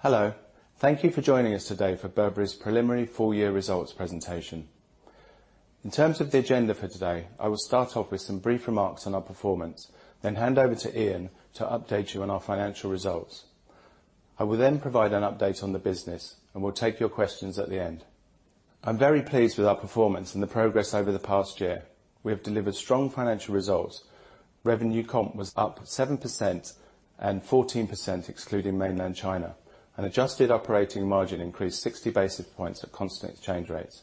Hello. Thank you for joining us today for Burberry's preliminary full-year results presentation. In terms of the agenda for today, I will start off with some brief remarks on our performance, then hand over to Ian to update you on our financial results. I will then provide an update on the business, and we'll take your questions at the end. I'm very pleased with our performance and the progress over the past year. We have delivered strong financial results. Revenue comp was up 7% and 14% excluding Mainland China, and adjusted operating margin increased 60 basis points at constant exchange rates.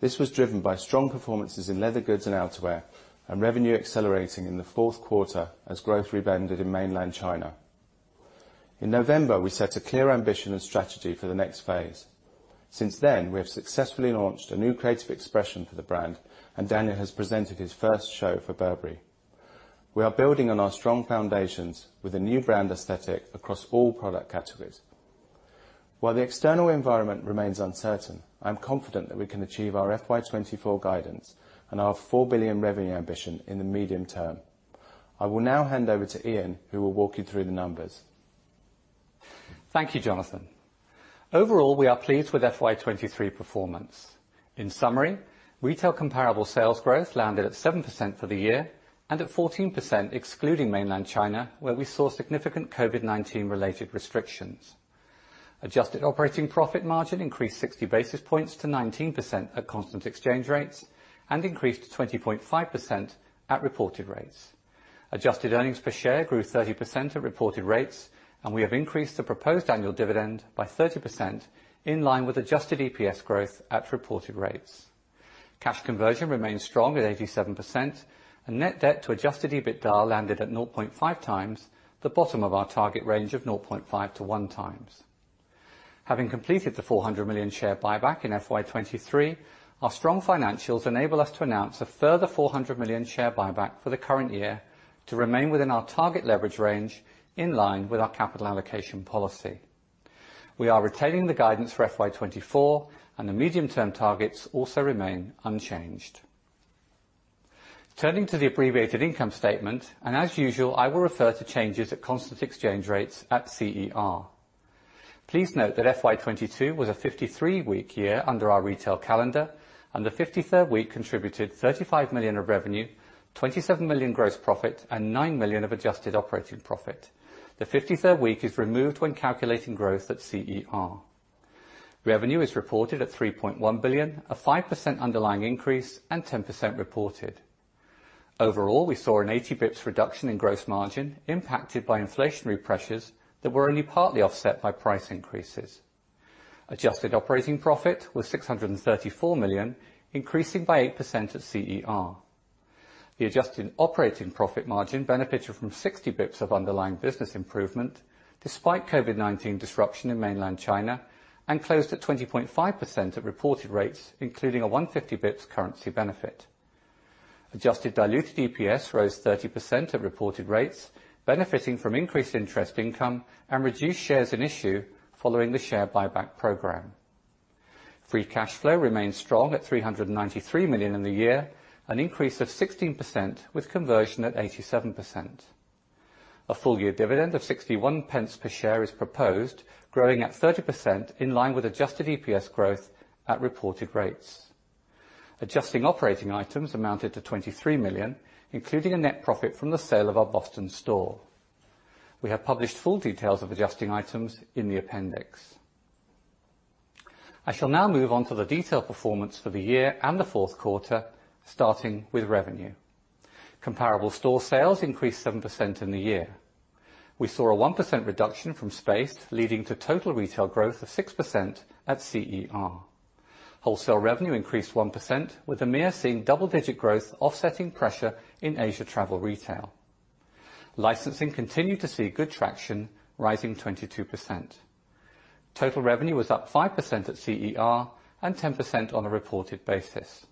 This was driven by strong performances in leather goods and outerwear and revenue accelerating in the fourth quarter as growth rebounded in Mainland China. In November, we set a clear ambition and strategy for the next phase. Since then, we have successfully launched a new creative expression for the brand, and Daniel has presented his first show for Burberry. We are building on our strong foundations with a new brand aesthetic across all product categories. While the external environment remains uncertain, I'm confident that we can achieve our FY 2024 guidance and our 4 billion revenue ambition in the medium term. I will now hand over to Ian, who will walk you through the numbers. Thank you, Jonathan. Overall, we are pleased with FY 23 performance. In summary, retail comparable sales growth landed at 7% for the year and at 14% excluding Mainland China, where we saw significant COVID-19-related restrictions. Adjusted operating profit margin increased 60 basis points to 19% at constant exchange rates and increased to 20.5% at reported rates. Adjusted earnings per share grew 30% at reported rates, and we have increased the proposed annual dividend by 30% in line with adjusted EPS growth at reported rates. Cash conversion remains strong at 87%. Net debt to adjusted EBITDA landed at 0.5x, the bottom of our target range of 0.5x-1x. Having completed the 400 million share buyback in FY 2023, our strong financials enable us to announce a further 400 million share buyback for the current year to remain within our target leverage range in line with our capital allocation policy. We are retaining the guidance for FY 2024, and the medium-term targets also remain unchanged. Turning to the abbreviated income statement, and as usual, I will refer to changes at constant exchange rates at CER. Please note that FY 2022 was a 53-week year under our retail calendar, and the 53rd week contributed 35 million of revenue, 27 million gross profit, and 9 million of adjusted operating profit. The 53rd week is removed when calculating growth at CER. Revenue is reported at 3.1 billion, a 5% underlying increase and 10% reported. Overall, we saw an 80 BPS reduction in gross margin impacted by inflationary pressures that were only partly offset by price increases. Adjusted operating profit was 634 million, increasing by 8% at CER. The adjusted operating profit margin benefited from 60 BPS of underlying business improvement despite COVID-19 disruption in Mainland China, and closed at 20.5% at reported rates, including a 150 BPS currency benefit. Adjusted diluted EPS rose 30% at reported rates, benefiting from increased interest income and reduced shares in issue following the share buyback program. Free cash flow remains strong at 393 million in the year, an increase of 16% with conversion at 87%. A full year dividend of 0.61 per share is proposed, growing at 30% in line with adjusted EPS growth at reported rates. Adjusting operating items amounted to 23 million, including a net profit from the sale of our Boston store. We have published full details of adjusting items in the appendix. I shall now move on to the detailed performance for the year and the fourth quarter, starting with revenue. Comparable store sales increased 7% in the year. We saw a 1% reduction from spaced, leading to total retail growth of 6% at CER. Wholesale revenue increased 1%, with EMEA seeing double-digit growth offsetting pressure in Asia travel retail. Licensing continued to see good traction, rising 22%. Total revenue was up 5% at CER and 10% on a reported basis.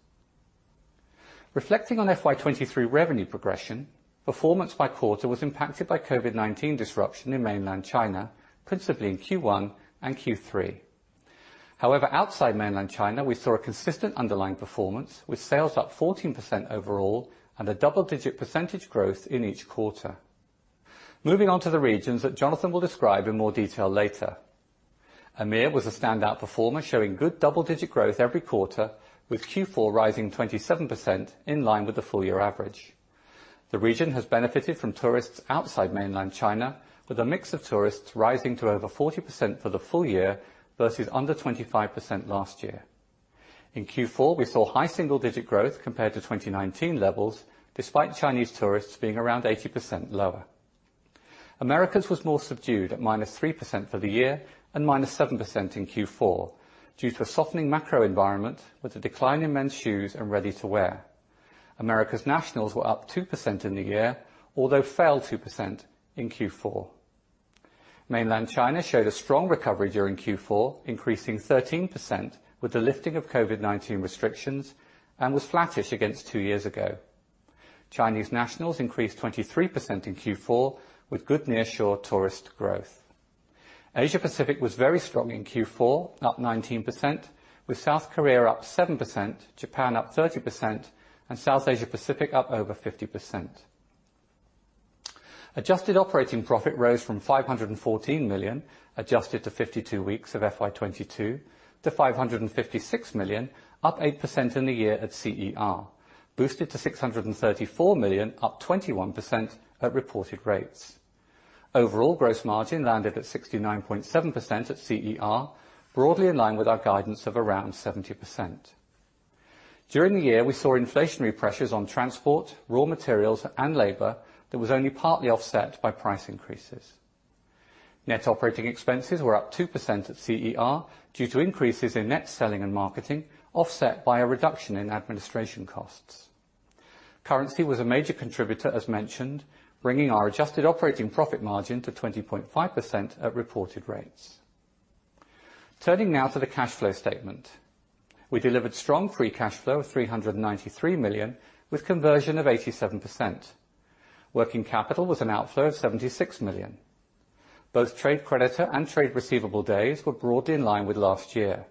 Reflecting on FY23 revenue progression, performance by quarter was impacted by COVID-19 disruption in Mainland China, principally in Q1 and Q3. However, outside Mainland China, we saw a consistent underlying performance with sales up 14% overall and a double-digit % growth in each quarter. Moving on to the regions that Jonathan will describe in more detail later. EMEA was a standout performer, showing good double-digit growth every quarter, with Q4 rising 27% in line with the full year average. The region has benefited from tourists outside Mainland China, with a mix of tourists rising to over 40% for the full year versus under 25% last year. In Q4, we saw high single-digit growth compared to 2019 levels, despite Chinese tourists being around 80% lower. Americas was more subdued at -3% for the year and -7% in Q4 due to a softening macro environment with a decline in men's shoes and ready-to-wear. Americas nationals were up 2% in the year, although fell 2% in Q4. Mainland China showed a strong recovery during Q4, increasing 13% with the lifting of COVID-19 restrictions and was flattish against two years ago. Chinese nationals increased 23% in Q4 with good nearshore tourist growth. Asia Pacific was very strong in Q4, up 19%, with South Korea up 7%, Japan up 30%, and South Asia Pacific up over 50%. Adjusted operating profit rose from 514 million, adjusted to 52 weeks of FY 2022 to 556 million, up 8% in the year at CER, boosted to 634 million, up 21% at reported rates. Overall, gross margin landed at 69.7% at CER, broadly in line with our guidance of around 70%. During the year, we saw inflationary pressures on transport, raw materials, and labor that was only partly offset by price increases. Net operating expenses were up 2% at CER due to increases in net selling and marketing, offset by a reduction in administration costs. Currency was a major contributor, as mentioned, bringing our adjusted operating profit margin to 20.5% at reported rates. Turning now to the cash flow statement. We delivered strong free cash flow of 393 million, with conversion of 87%. Working capital was an outflow of 76 million. Both trade creditor and trade receivable days were broadly in line with last year.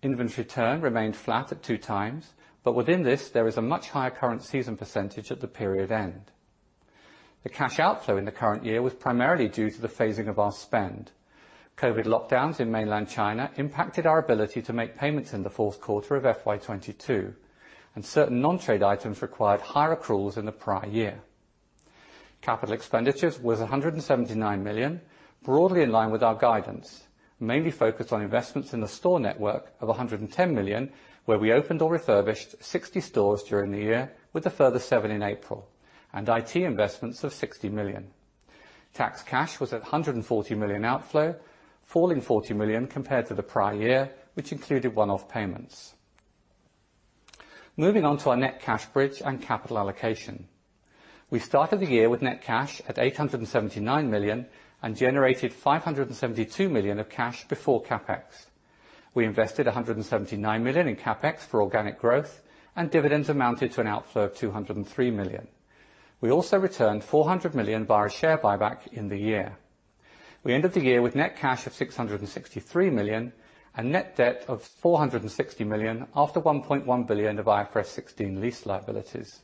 Inventory turn remained flat at 2x, but within this, there is a much higher current season percentage at the period end. The cash outflow in the current year was primarily due to the phasing of our spend. COVID lockdowns in mainland China impacted our ability to make payments in the fourth quarter of FY 2022, and certain non-trade items required higher accruals in the prior year. Capital expenditures was 179 million, broadly in line with our guidance, mainly focused on investments in the store network of 110 million, where we opened or refurbished 60 stores during the year with a further 7 in April, and IT investments of 60 million. Tax cash was at 140 million outflow, falling 40 million compared to the prior year, which included one-off payments. Moving on to our net cash bridge and capital allocation. We started the year with net cash at 879 million and generated 572 million of cash before CapEx. We invested 179 million in CapEx for organic growth, and dividends amounted to an outflow of 203 million. We also returned 400 million via share buyback in the year. We ended the year with net cash of 663 million and net debt of 460 million after 1.1 billion of IFRS 16 lease liabilities.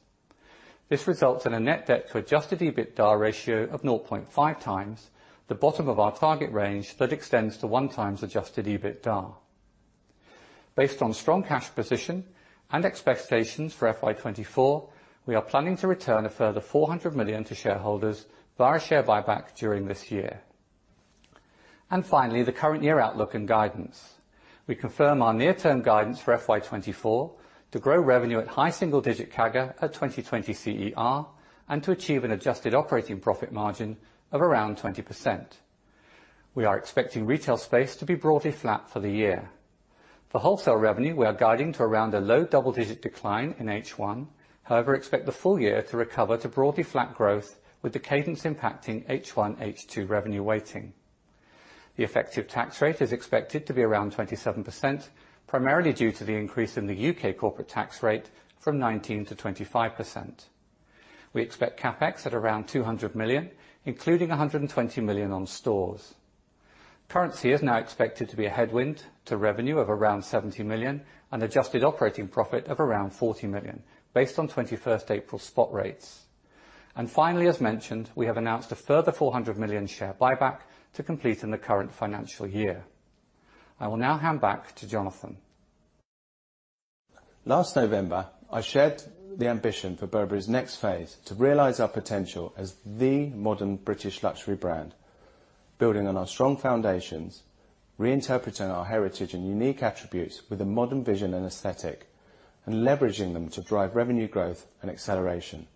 This results in a net debt to adjusted EBITDA ratio of 0.5x, the bottom of our target range that extends to 1x adjusted EBITDA. Based on strong cash position and expectations for FY 2024, we are planning to return a further 400 million to shareholders via share buyback during this year. Finally, the current year outlook and guidance. We confirm our near-term guidance for FY 2024 to grow revenue at high single-digit CAGR at 2020 CER, and to achieve an adjusted operating profit margin of around 20%. We are expecting retail space to be broadly flat for the year. For wholesale revenue, we are guiding to around a low double-digit decline in H1. Expect the full year to recover to broadly flat growth with the cadence impacting H1, H2 revenue weighting. The effective tax rate is expected to be around 27%, primarily due to the increase in the UK corporation tax rate from 19% to 25%. We expect CapEx at around 200 million, including 120 million on stores. Currency is now expected to be a headwind to revenue of around 70 million and adjusted operating profit of around 40 million based on 21st April spot rates. Finally, as mentioned, we have announced a further 400 million share buyback to complete in the current financial year. I will now hand back to Jonathan. Last November, I shared the ambition for Burberry's next phase to realize our potential as the modern British luxury brand. Building on our strong foundations, reinterpreting our heritage and unique attributes with a modern vision and aesthetic, leveraging them to drive revenue growth and acceleration.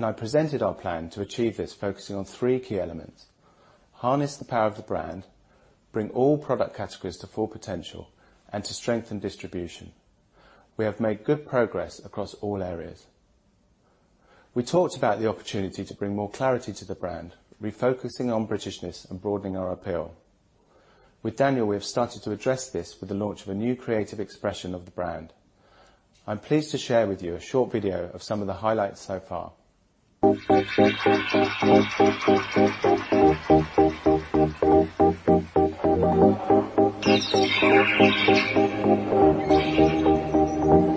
I presented our plan to achieve this, focusing on 3 key elements: harness the power of the brand, bring all product categories to full potential, and to strengthen distribution. We have made good progress across all areas. We talked about the opportunity to bring more clarity to the brand, refocusing on Britishness and broadening our appeal. With Daniel, we have started to address this with the launch of a new creative expression of the brand. I'm pleased to share with you a short video of some of the highlights so far. In February,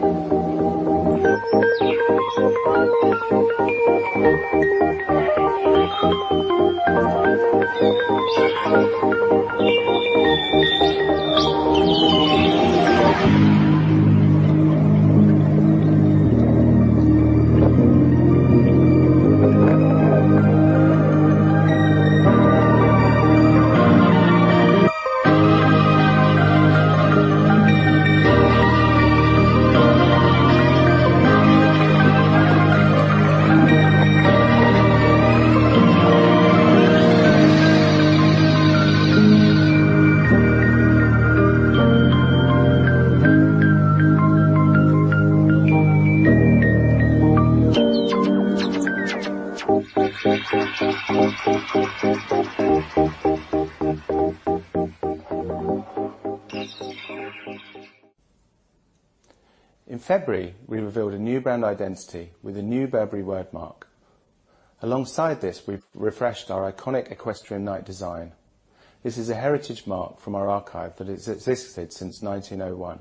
we revealed a new brand identity with a new Burberry wordmark. Alongside this, we've refreshed our iconic Equestrian Knight Design. This is a heritage mark from our archive that has existed since 1901.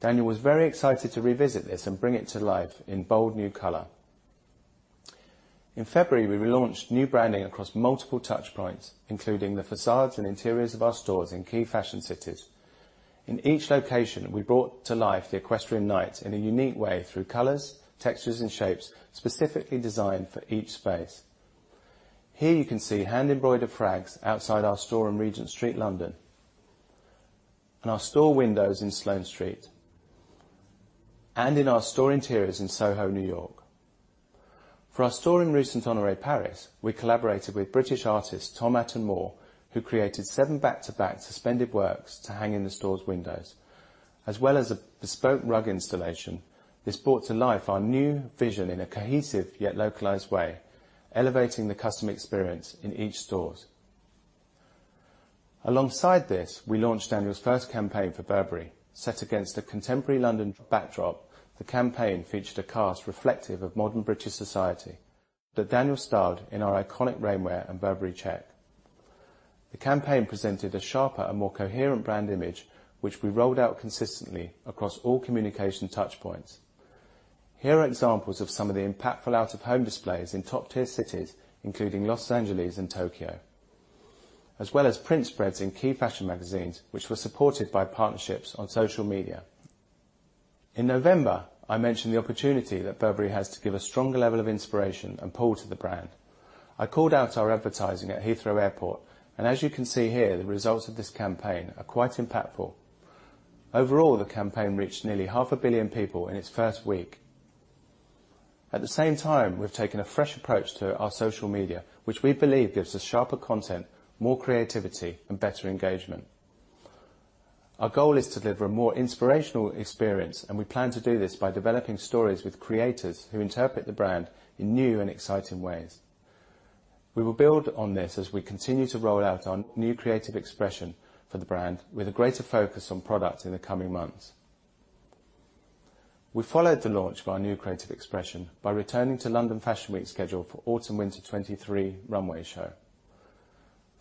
Daniel was very excited to revisit this and bring it to life in bold new color. In February, we relaunched new branding across multiple touchpoints, including the facades and interiors of our stores in key fashion cities. In each location, we brought to life the Equestrian Knight in a unique way through colors, textures, and shapes specifically designed for each space. Here you can see hand-embroidered flags outside our store in Regent Street, London, and our store windows in Sloane Street, and in our store interiors in SoHo, New York. For our store in Rue Saint-Honoré, Paris, we collaborated with British artist Tom Atton Moore, who created 7 back-to-back suspended works to hang in the store's windows. As well as a bespoke rug installation, this brought to life our new vision in a cohesive yet localized way, elevating the customer experience in each stores. Alongside this, we launched Daniel's first campaign for Burberry. Set against a contemporary London backdrop, the campaign featured a cast reflective of modern British society that Daniel styled in our iconic rainwear and Burberry Check. The campaign presented a sharper and more coherent brand image, which we rolled out consistently across all communication touchpoints. Here are examples of some of the impactful out-of-home displays in top-tier cities, including Los Angeles and Tokyo, as well as print spreads in key fashion magazines, which were supported by partnerships on social media. In November, I mentioned the opportunity that Burberry has to give a stronger level of inspiration and pull to the brand. I called out our advertising at Heathrow Airport, and as you can see here, the results of this campaign are quite impactful. Overall, the campaign reached nearly 0.5 billion people in its first week. At the same time, we've taken a fresh approach to our social media, which we believe gives us sharper content, more creativity, and better engagement. Our goal is to deliver a more inspirational experience, and we plan to do this by developing stories with creators who interpret the brand in new and exciting ways. We will build on this as we continue to roll out our new creative expression for the brand with a greater focus on product in the coming months. We followed the launch of our new creative expression by returning to London Fashion Week schedule for Autumn/Winter 2023 runway show.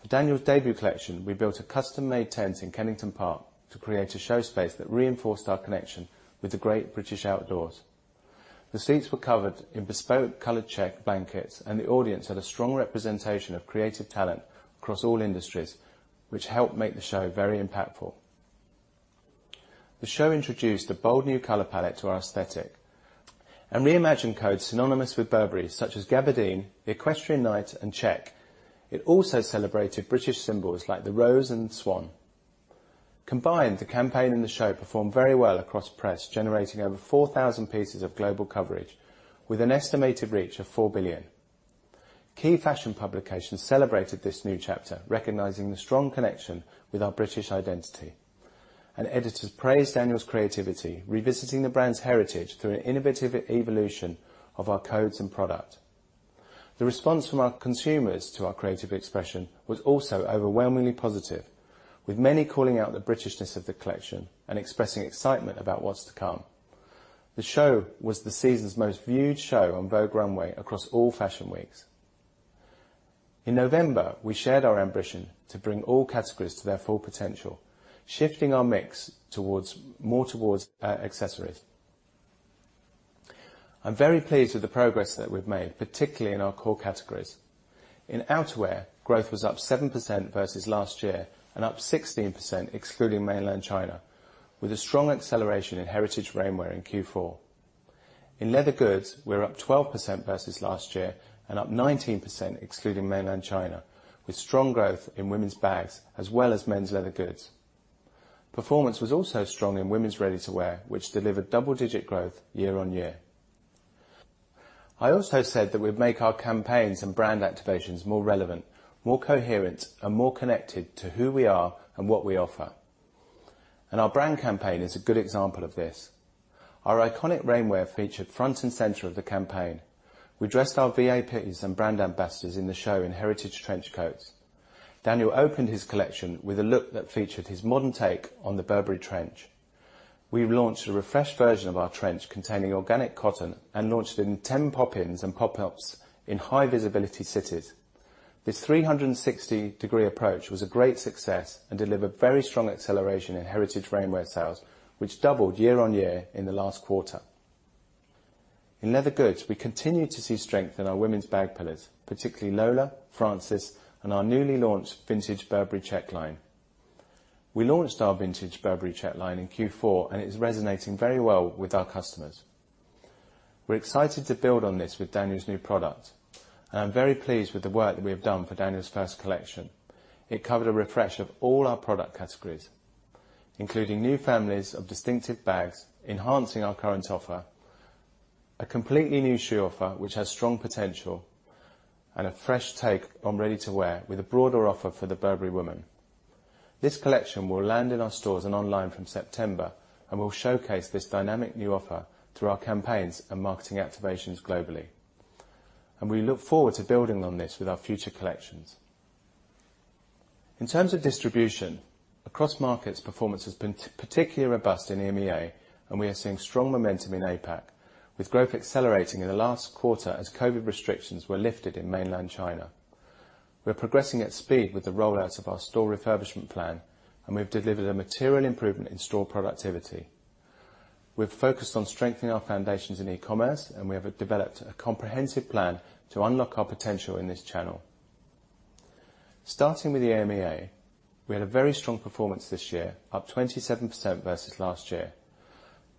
For Daniel's debut collection, we built a custom-made tent in Kennington Park to create a show space that reinforced our connection with the great British outdoors. The seats were covered in bespoke colored Check blankets, and the audience had a strong representation of creative talent across all industries, which helped make the show very impactful. The show introduced a bold new color palette to our aesthetic and reimagined codes synonymous with Burberry, such as gabardine, the Equestrian Knight, and Check. It also celebrated British symbols like the rose and swan. Combined, the campaign and the show performed very well across press, generating over 4,000 pieces of global coverage with an estimated reach of 4 billion. Key fashion publications celebrated this new chapter, recognizing the strong connection with our British identity, and editors praised Daniel's creativity, revisiting the brand's heritage through an innovative evolution of our codes and product. The response from our consumers to our creative expression was also overwhelmingly positive, with many calling out the Britishness of the collection and expressing excitement about what's to come. The show was the season's most-viewed show on Vogue Runway across all fashion weeks. In November, we shared our ambition to bring all categories to their full potential, shifting our mix more towards accessories. I'm very pleased with the progress that we've made, particularly in our core categories. In outerwear, growth was up 7% versus last year and up 16% excluding mainland China, with a strong acceleration in heritage rainwear in Q4. In leather goods, we're up 12% versus last year and up 19% excluding mainland China, with strong growth in women's bags as well as men's leather goods. Performance was also strong in women's ready-to-wear, which delivered double-digit growth year-on-year. I also said that we'd make our campaigns and brand activations more relevant, more coherent, and more connected to who we are and what we offer. Our brand campaign is a good example of this. Our iconic rainwear featured front and center of the campaign. We dressed our VIPs and brand ambassadors in the show in heritage trench coats. Daniel opened his collection with a look that featured his modern take on the Burberry trench. We launched a refreshed version of our trench containing organic cotton and launched it in 10 pop-ins and pop-ups in high-visibility cities. This 360-degree approach was a great success and delivered very strong acceleration in heritage rainwear sales, which doubled year-over-year in the last quarter. In leather goods, we continued to see strength in our women's bag pillars, particularly Lola, Frances, and our newly launched Vintage Check line. We launched our Vintage Check line in Q4, and it is resonating very well with our customers. We're excited to build on this with Daniel's new product, and I'm very pleased with the work that we have done for Daniel's first collection. It covered a refresh of all our product categories, including new families of distinctive bags, enhancing our current offer, a completely new shoe offer which has strong potential, and a fresh take on ready-to-wear, with a broader offer for the Burberry woman. This collection will land in our stores and online from September and will showcase this dynamic new offer through our campaigns and marketing activations globally. We look forward to building on this with our future collections. In terms of distribution, across markets, performance has been particularly robust in EMEA, and we are seeing strong momentum in APAC, with growth accelerating in the last quarter as COVID restrictions were lifted in mainland China. We're progressing at speed with the rollout of our store refurbishment plan, and we've delivered a material improvement in store productivity. We've focused on strengthening our foundations in e-commerce, and we have developed a comprehensive plan to unlock our potential in this channel. Starting with the EMEA, we had a very strong performance this year, up 27% versus last year.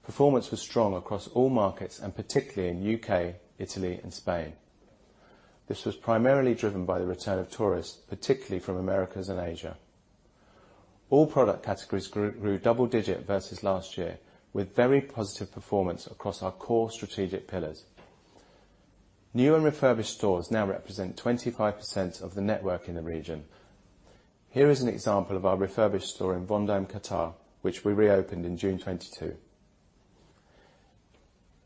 Performance was strong across all markets and particularly in UK, Italy and Spain. This was primarily driven by the return of tourists, particularly from Americas and Asia. All product categories grew double digit versus last year, with very positive performance across our core strategic pillars. New and refurbished stores now represent 25% of the network in the region. Here is an example of our refurbished store in Place Vendôme, Qatar, which we reopened in June 2022.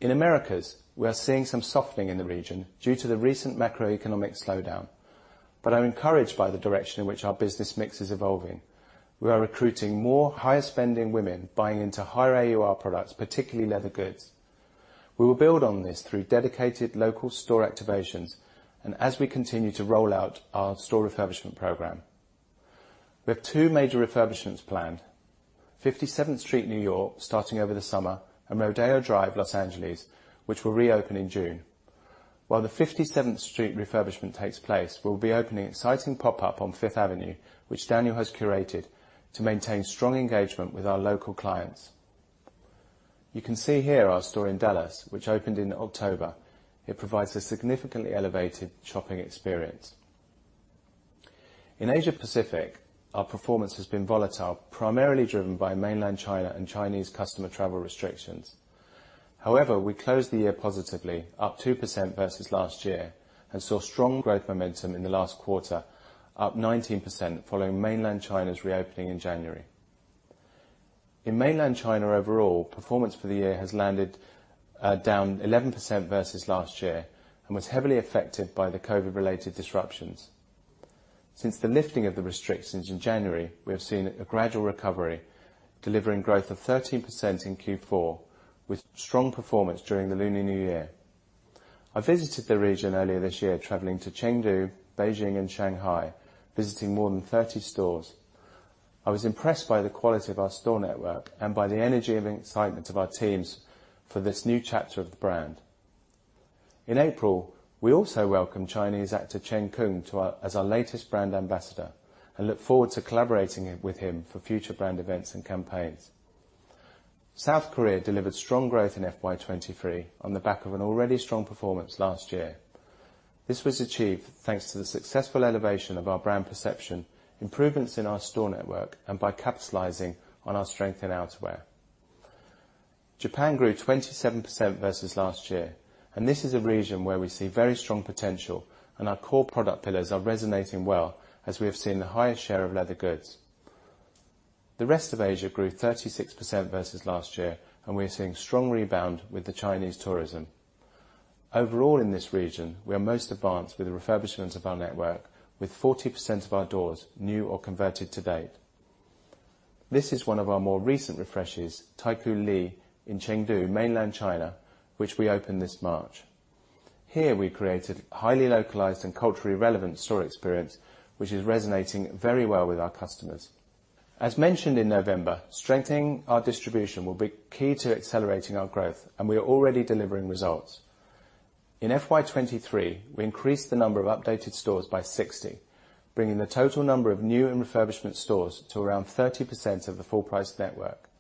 In Americas, we are seeing some softening in the region due to the recent macroeconomic slowdown. I'm encouraged by the direction in which our business mix is evolving. We are recruiting more higher-spending women buying into higher AUR products, particularly leather goods. We will build on this through dedicated local store activations and as we continue to roll out our store refurbishment program. We have two major refurbishments planned: 57th Street, New York, starting over the summer, and Rodeo Drive, Los Angeles, which will reopen in June. While the 57th Street refurbishment takes place, we'll be opening exciting pop-up on Fifth Avenue, which Daniel has curated to maintain strong engagement with our local clients. You can see here our store in Dallas, which opened in October. It provides a significantly elevated shopping experience. In Asia Pacific, our performance has been volatile, primarily driven by Mainland China and Chinese customer travel restrictions. However, we closed the year positively, up 2% versus last year, and saw strong growth momentum in the last quarter, up 19% following Mainland China's reopening in January. In Mainland China, overall, performance for the year has landed down 11% versus last year and was heavily affected by the COVID-related disruptions. Since the lifting of the restrictions in January, we have seen a gradual recovery, delivering growth of 13% in Q4, with strong performance during the Lunar New Year. I visited the region earlier this year, traveling to Chengdu, Beijing and Shanghai, visiting more than 30 stores. I was impressed by the quality of our store network and by the energy and excitement of our teams for this new chapter of the brand. In April, we also welcomed Chinese actor Chen Kun as our latest brand ambassador and look forward to collaborating with him for future brand events and campaigns. South Korea delivered strong growth in FY 2023 on the back of an already strong performance last year. This was achieved thanks to the successful elevation of our brand perception, improvements in our store network, and by capitalizing on our strength in outerwear. Japan grew 27% versus last year, this is a region where we see very strong potential and our core product pillars are resonating well as we have seen the highest share of leather goods. The rest of Asia grew 36% versus last year, we are seeing strong rebound with the Chinese tourism. Overall, in this region, we are most advanced with the refurbishment of our network, with 40% of our doors new or converted to date. This is one of our more recent refreshes, Taikoo Li in Chengdu, Mainland China, which we opened this March. Here, we created highly localized and culturally relevant store experience, which is resonating very well with our customers. As mentioned in November, strengthening our distribution will be key to accelerating our growth, we are already delivering results. In FY23, we increased the number of updated stores by 60, bringing the total number of new and refurbishment stores to around 30% of the full-price network.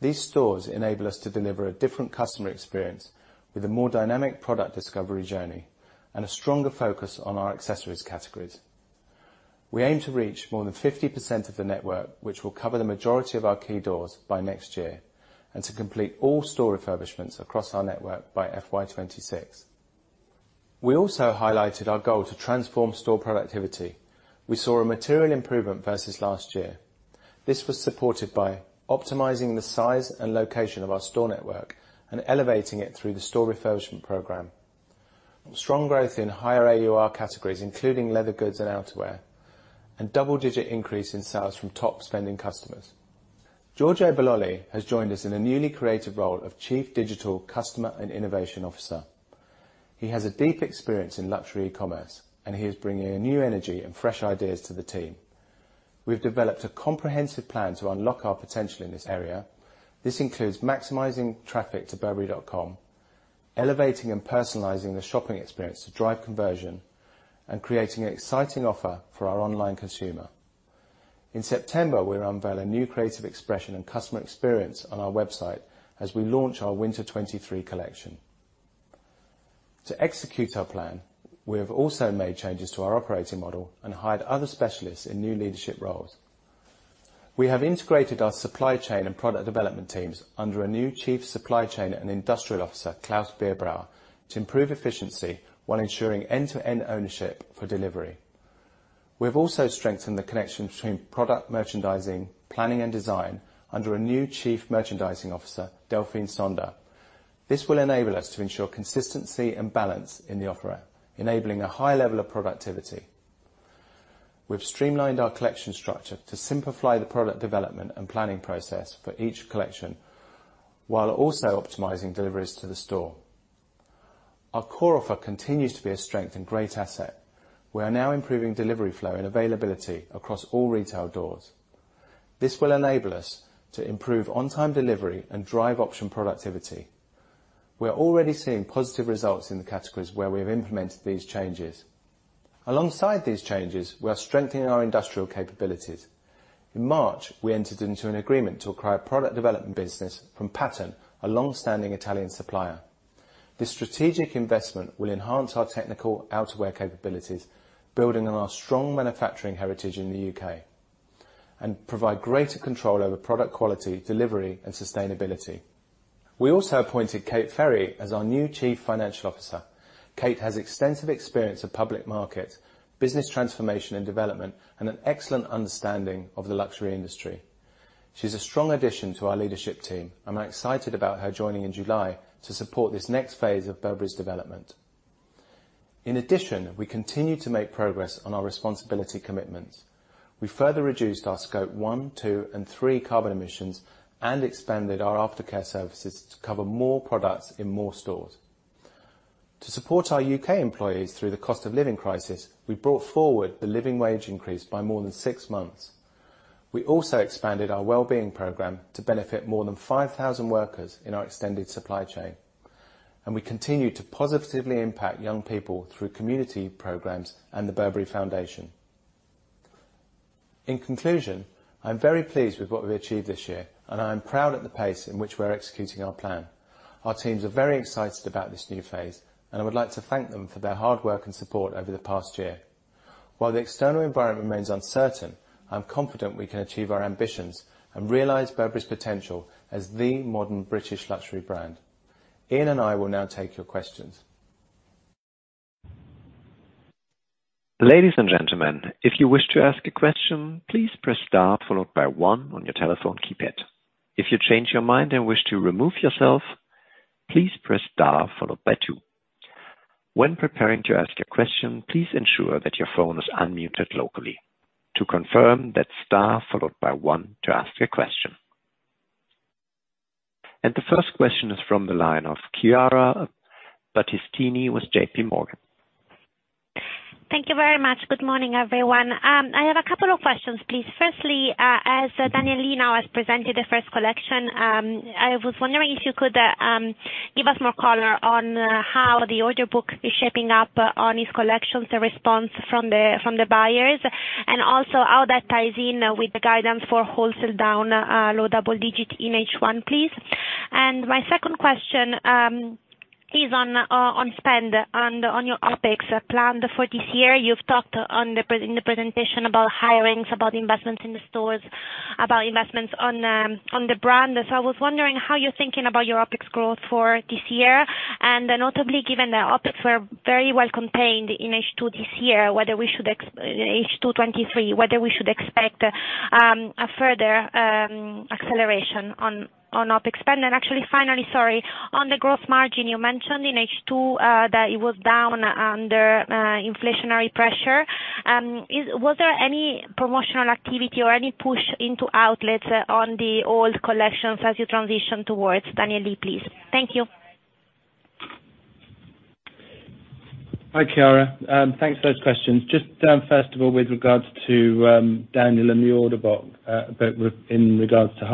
These stores enable us to deliver a different customer experience with a more dynamic product discovery journey and a stronger focus on our accessories categories. We aim to reach more than 50% of the network, which will cover the majority of our key doors by next year, and to complete all store refurbishments across our network by FY26. We also highlighted our goal to transform store productivity. We saw a material improvement versus last year. This was supported by optimizing the size and location of our store network and elevating it through the store refurbishment program. Strong growth in higher AUR categories, including leather goods and outerwear, and double-digit increase in sales from top-spending customers. Giorgio Belloli has joined us in a newly created role of Chief Digital Customer and Innovation Officer. He has a deep experience in luxury e-commerce, and he is bringing a new energy and fresh ideas to the team. We've developed a comprehensive plan to unlock our potential in this area. This includes maximizing traffic to burberry.com, elevating and personalizing the shopping experience to drive conversion, and creating an exciting offer for our online consumer. In September, we'll unveil a new creative expression and customer experience on our website as we launch our Winter 2023 collection. To execute our plan, we have also made changes to our operating model and hired other specialists in new leadership roles. We have integrated our supply chain and product development teams under a new Chief Supply Chain and Industrial Officer, Klaus Bierbrauer, to improve efficiency while ensuring end-to-end ownership for delivery. We have also strengthened the connection between product merchandising, planning and design under a new Chief Merchandising Officer, Delphine Sonder. This will enable us to ensure consistency and balance in the offer, enabling a high level of productivity. We've streamlined our collection structure to simplify the product development and planning process for each collection while also optimizing deliveries to the store. Our core offer continues to be a strength and great asset. We are now improving delivery flow and availability across all retail doors. This will enable us to improve on-time delivery and drive option productivity. We are already seeing positive results in the categories where we have implemented these changes. Alongside these changes, we are strengthening our industrial capabilities. In March, we entered into an agreement to acquire product development business from Pattern, a long-standing Italian supplier. This strategic investment will enhance our technical outerwear capabilities, building on our strong manufacturing heritage in the U.K., and provide greater control over product quality, delivery, and sustainability. We also appointed Kate Ferry as our new Chief Financial Officer. Kate has extensive experience of public market, business transformation and development, and an excellent understanding of the luxury industry. She's a strong addition to our leadership team. I'm excited about her joining in July to support this next phase of Burberry's development. We continue to make progress on our responsibility commitments. We further reduced our Scope 1, 2 and 3 carbon emissions and expanded our aftercare services to cover more products in more stores. To support our U.K. employees through the cost of living crisis, we brought forward the living wage increase by more than six months. We also expanded our wellbeing program to benefit more than 5,000 workers in our extended supply chain, and we continue to positively impact young people through community programs and The Burberry Foundation. I'm very pleased with what we've achieved this year, and I'm proud at the pace in which we're executing our plan. Our teams are very excited about this new phase, and I would like to thank them for their hard work and support over the past year. While the external environment remains uncertain, I'm confident we can achieve our ambitions and realize Burberry's potential as the modern British luxury brand. Ian and I will now take your questions. Ladies and gentlemen, if you wish to ask a question, please press star followed by 1 on your telephone keypad. If you change your mind and wish to remove yourself, please press star followed by 2. When preparing to ask a question, please ensure that your phone is unmuted locally. To confirm, that's star followed by 1 to ask a question. The first question is from the line of Chiara Battistini with JPMorgan. Thank you very much. Good morning, everyone. I have a couple of questions, please. Firstly, as Daniel Lee now has presented the first collection, I was wondering if you could give us more color on how the order book is shaping up on his collections, the response from the buyers, and also how that ties in with the guidance for wholesale down low double digit in H1, please. My second question is on spend and on your OpEx plan for this year. You've talked in the presentation about hirings, about investments in the stores, about investments on the brand. I was wondering how you're thinking about your OpEx growth for this year. Notably, given the OpEx were very well contained in H2 this year, whether we should expect a further acceleration on OpEx spend. Actually, finally, sorry, on the growth margin, you mentioned in H2 that it was down under inflationary pressure. Is, was there any promotional activity or any push into outlets on the old collections as you transition towards Daniel Lee, please? Thank you. Hi, Chiara. Thanks for those questions. Just, first of all, with regards to Daniel and the order book, in regards to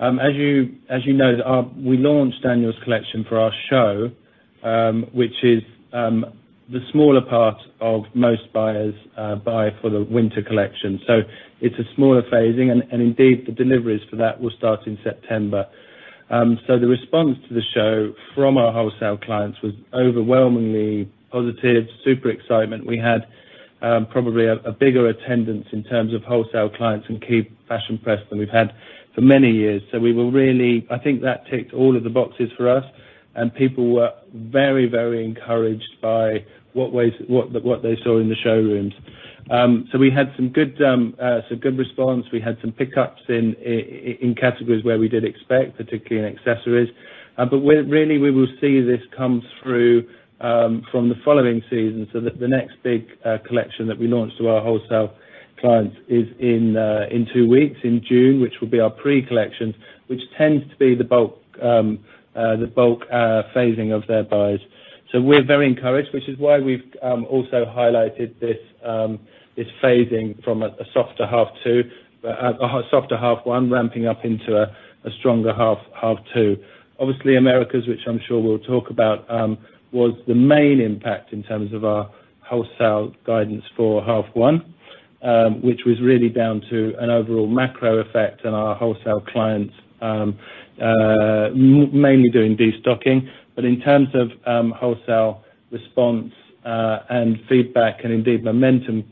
wholesale, as you know, we launched Daniel's collection for our show, which is the smaller part of most buyers buy for the winter collection. It's a smaller phasing, and indeed, the deliveries for that will start in September. The response to the show from our wholesale clients was overwhelmingly positive, super excitement. We had probably a bigger attendance in terms of wholesale clients and key fashion press than we've had for many years. We were really, I think that ticked all of the boxes for us and people were very encouraged by what they saw in the showrooms. We had some good response. We had some pickups in categories where we did expect, particularly in accessories. Where really we will see this comes through from the following season, so the next big collection that we launched to our wholesale clients is in two weeks, in June, which will be our pre-collection, which tends to be the bulk phasing of their buyers. We're very encouraged, which is why we've also highlighted this phasing from a softer half two, a softer half one ramping up into a stronger half two. Obviously, Americas, which I'm sure we'll talk about, was the main impact in terms of our wholesale guidance for half one, which was really down to an overall macro effect on our wholesale clients, mainly doing destocking. In terms of wholesale response, and feedback, and indeed momentum,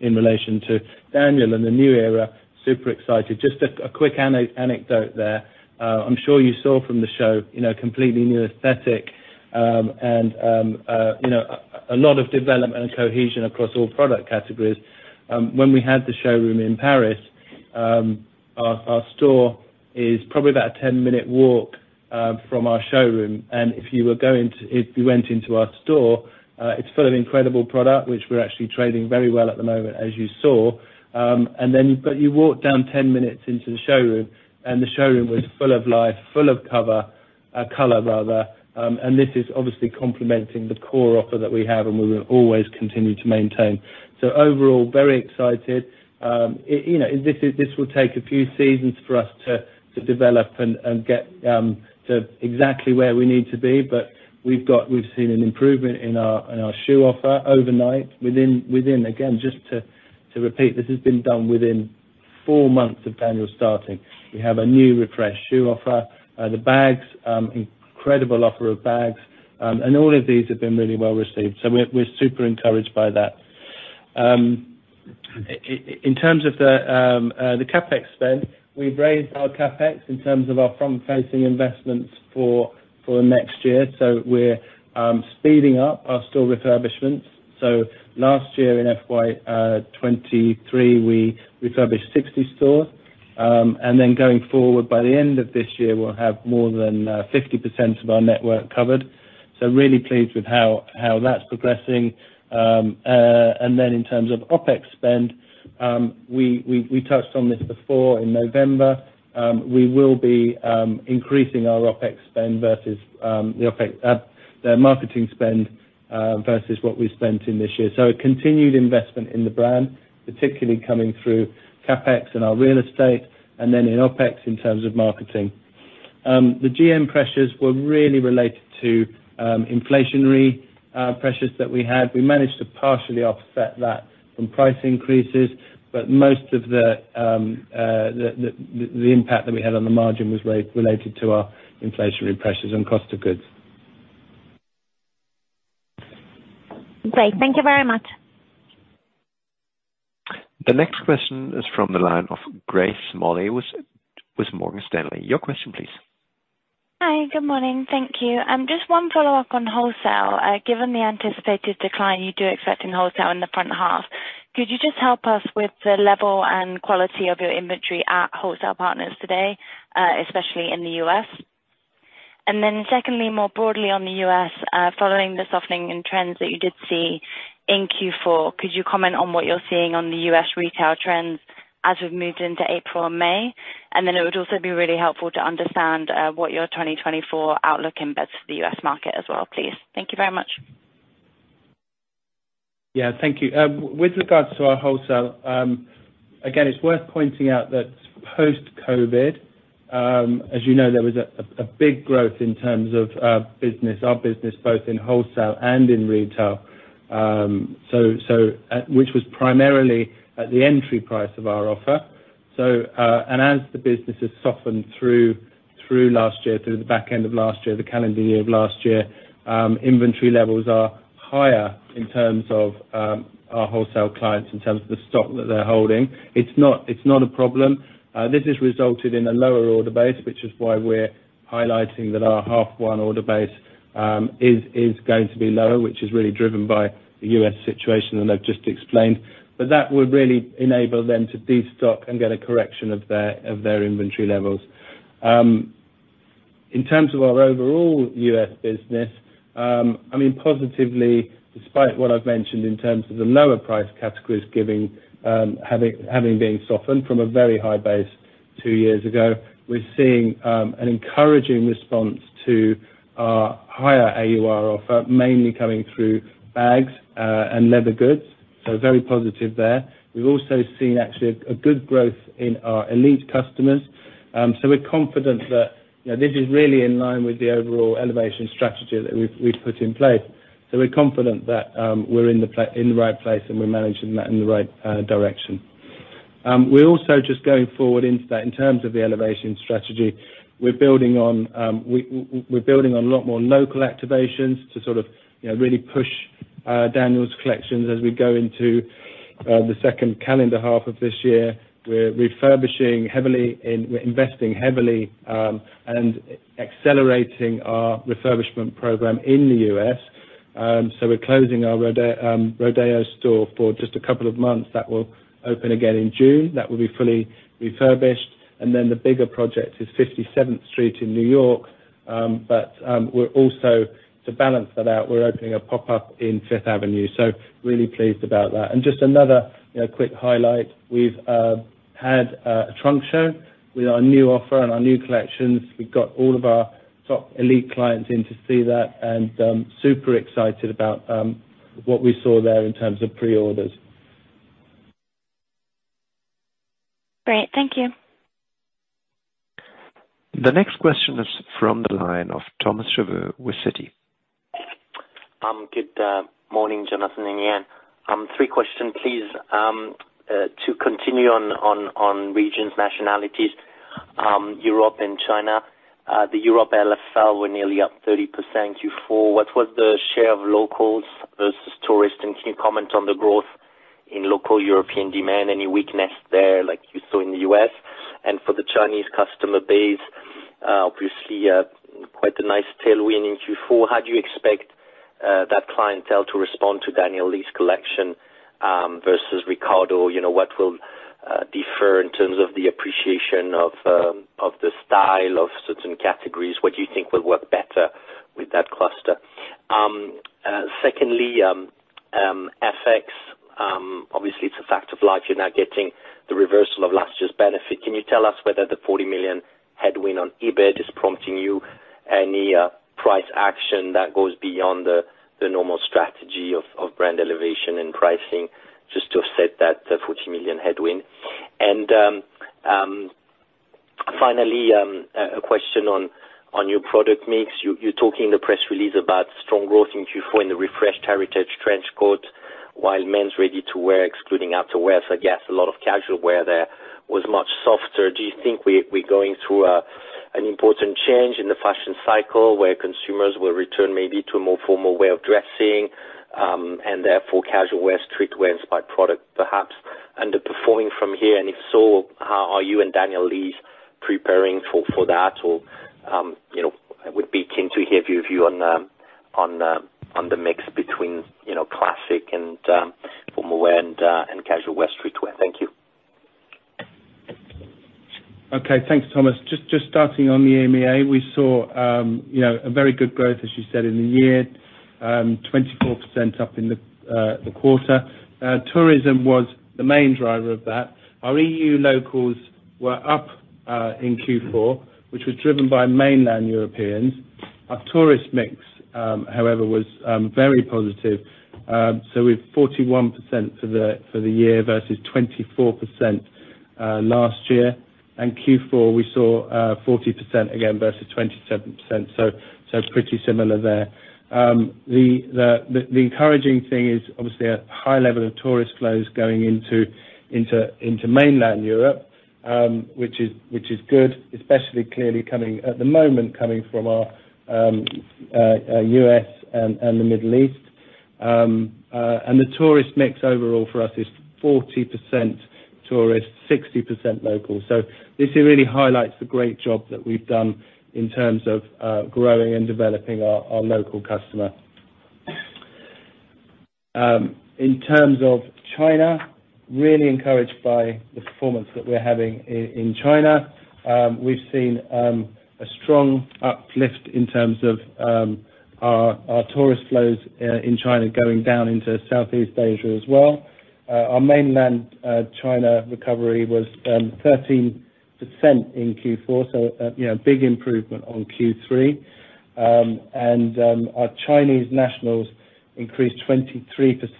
in relation to Daniel and the new era, super excited. Just a quick anecdote there. I'm sure you saw from the show, you know, completely new aesthetic, and, you know, a lot of development and cohesion across all product categories. When we had the showroom in Paris, our store is probably about a 10-minute walk from our showroom. If you went into our store, it's full of incredible product, which we're actually trading very well at the moment, as you saw. You walk down 10 minutes into the showroom, and the showroom was full of life, full of color rather. This is obviously complementing the core offer that we have and we will always continue to maintain. Overall, very excited. You know, this will take a few seasons for us to develop and get to exactly where we need to be, but we've got... We've seen an improvement in our shoe offer overnight within... Again, just to repeat, this has been done within 4 months of Daniel starting. We have a new refreshed shoe offer. The bags, incredible offer of bags. All of these have been really well-received, so we're super encouraged by that. In terms of the CapEx spend, we've raised our CapEx in terms of our front-facing investments for next year, so we're speeding up our store refurbishments. Last year in FY 2023, we refurbished 60 stores. Going forward, by the end of this year, we'll have more than 50% of our network covered. Really pleased with how that's progressing. In terms of OpEx spend, we touched on this before in November. We will be increasing our OpEx spend versus the OpEx, the marketing spend, versus what we spent in this year. A continued investment in the brand, particularly coming through CapEx and our real estate and then in OpEx in terms of marketing. The GM pressures were really related to inflationary pressures that we had. We managed to partially offset that from price increases, but most of the impact that we had on the margin was related to our inflationary pressures and cost of goods. Great. Thank you very much. The next question is from the line of Edouard Aubin with Morgan Stanley. Your question please. Hi. Good morning. Thank you. Just one follow-up on wholesale. Given the anticipated decline you do expect in wholesale in the front half, could you just help us with the level and quality of your inventory at wholesale partners today, especially in the U.S.? Secondly, more broadly on the U.S., following the softening in trends that you did see in Q4, could you comment on what you're seeing on the U.S. retail trends as we've moved into April and May? It would also be really helpful to understand, what your 2024 outlook embeds for the U.S. market as well, please. Thank you very much. Yeah. Thank you. With regards to our wholesale, again, it's worth pointing out that post-COVID, as you know, there was a big growth in terms of our business, both in wholesale and in retail, which was primarily at the entry price of our offer. As the business has softened through last year, through the back end of last year, the calendar year of last year, inventory levels are higher in terms of our wholesale clients in terms of the stock that they're holding. It's not a problem. This has resulted in a lower order base, which is why we're highlighting that our half 1 order base is going to be lower, which is really driven by the U.S. situation that I've just explained. That would really enable them to destock and get a correction of their inventory levels. In terms of our overall U.S. business, I mean, positively, despite what I've mentioned in terms of the lower price categories giving, having been softened from a very high base 2 years ago, we're seeing an encouraging response to our higher AUR offer, mainly coming through bags and leather goods, so very positive there. We've also seen actually a good growth in our elite customers. We're confident that, you know, this is really in line with the overall elevation strategy that we've put in place. We're confident that we're in the right place and we're managing that in the right direction. We're also just going forward into that, in terms of the elevation strategy, we're building on a lot more local activations to sort of, you know, really push Daniel's collections as we go into the second calendar half of this year. We're refurbishing heavily and we're investing heavily and accelerating our refurbishment program in the U.S. We're closing our rodeo store for just a couple of months. That will open again in June. That will be fully refurbished. The bigger project is 57th Street in New York. We're also, to balance that out, we're opening a pop-up in Fifth Avenue, so really pleased about that. Just another, you know, quick highlight, we've had a trunk show with our new offer and our new collections. We've got all of our top elite clients in to see that, and, super excited about, what we saw there in terms of pre-orders. Great. Thank you. The next question is from the line of Thomas Chauvet with Citi. Good morning, Jonathan and Ian. three questions, please. To continue on regions, nationalities, Europe and China. The European LFL were nearly up 30% Q4. What was the share of locals versus tourists? Can you comment on the growth in local European demand? Any weakness there like you saw in the U.S.? For the Chinese customer base, obviously, quite a nice tailwind in Q4. How do you expect that clientele to respond to Daniel Lee's collection versus Riccardo? You know, what will differ in terms of the appreciation of the style of certain categories? What do you think will work better with that cluster? Secondly, FX-It's a fact of life, you're now getting the reversal of last year's benefit. Can you tell us whether the 40 million headwind on EBIT is prompting you any price action that goes beyond the normal strategy of brand elevation and pricing just to offset that 40 million headwind? Finally, a question on your product mix. You talk in the press release about strong growth in Q4 in the refreshed heritage trench coat, while men's ready-to-wear, excluding outerwear, so I guess a lot of casual wear there, was much softer. Do you think we're going through an important change in the fashion cycle where consumers will return maybe to a more formal way of dressing, and therefore, casual wear, streetwear by product perhaps underperforming from here? If so, how are you and Daniel Lee preparing for that? you know, I would be keen to hear your view on the mix between, you know, classic and formal wear and casual wear, street wear. Thank you. Okay, thanks, Thomas. Just starting on the EMEA, we saw, you know, a very good growth, as you said, in the year, 24% up in the quarter. Tourism was the main driver of that. Our EU locals were up in Q4, which was driven by mainland Europeans. Our tourist mix, however, was very positive. We're 41% for the year versus 24% last year. Q4, we saw 40% again versus 27%. It's pretty similar there. The encouraging thing is obviously a high level of tourist flows going into mainland Europe, which is good, especially clearly coming, at the moment, coming from our US and the Middle East. The tourist mix overall for us is 40% tourist, 60% local. This really highlights the great job that we've done in terms of growing and developing our local customer. In terms of China, really encouraged by the performance that we're having in China. We've seen a strong uplift in terms of our tourist flows in China going down into Southeast Asia as well. Our mainland China recovery was 13% in Q4, you know, big improvement on Q3. Our Chinese nationals increased 23%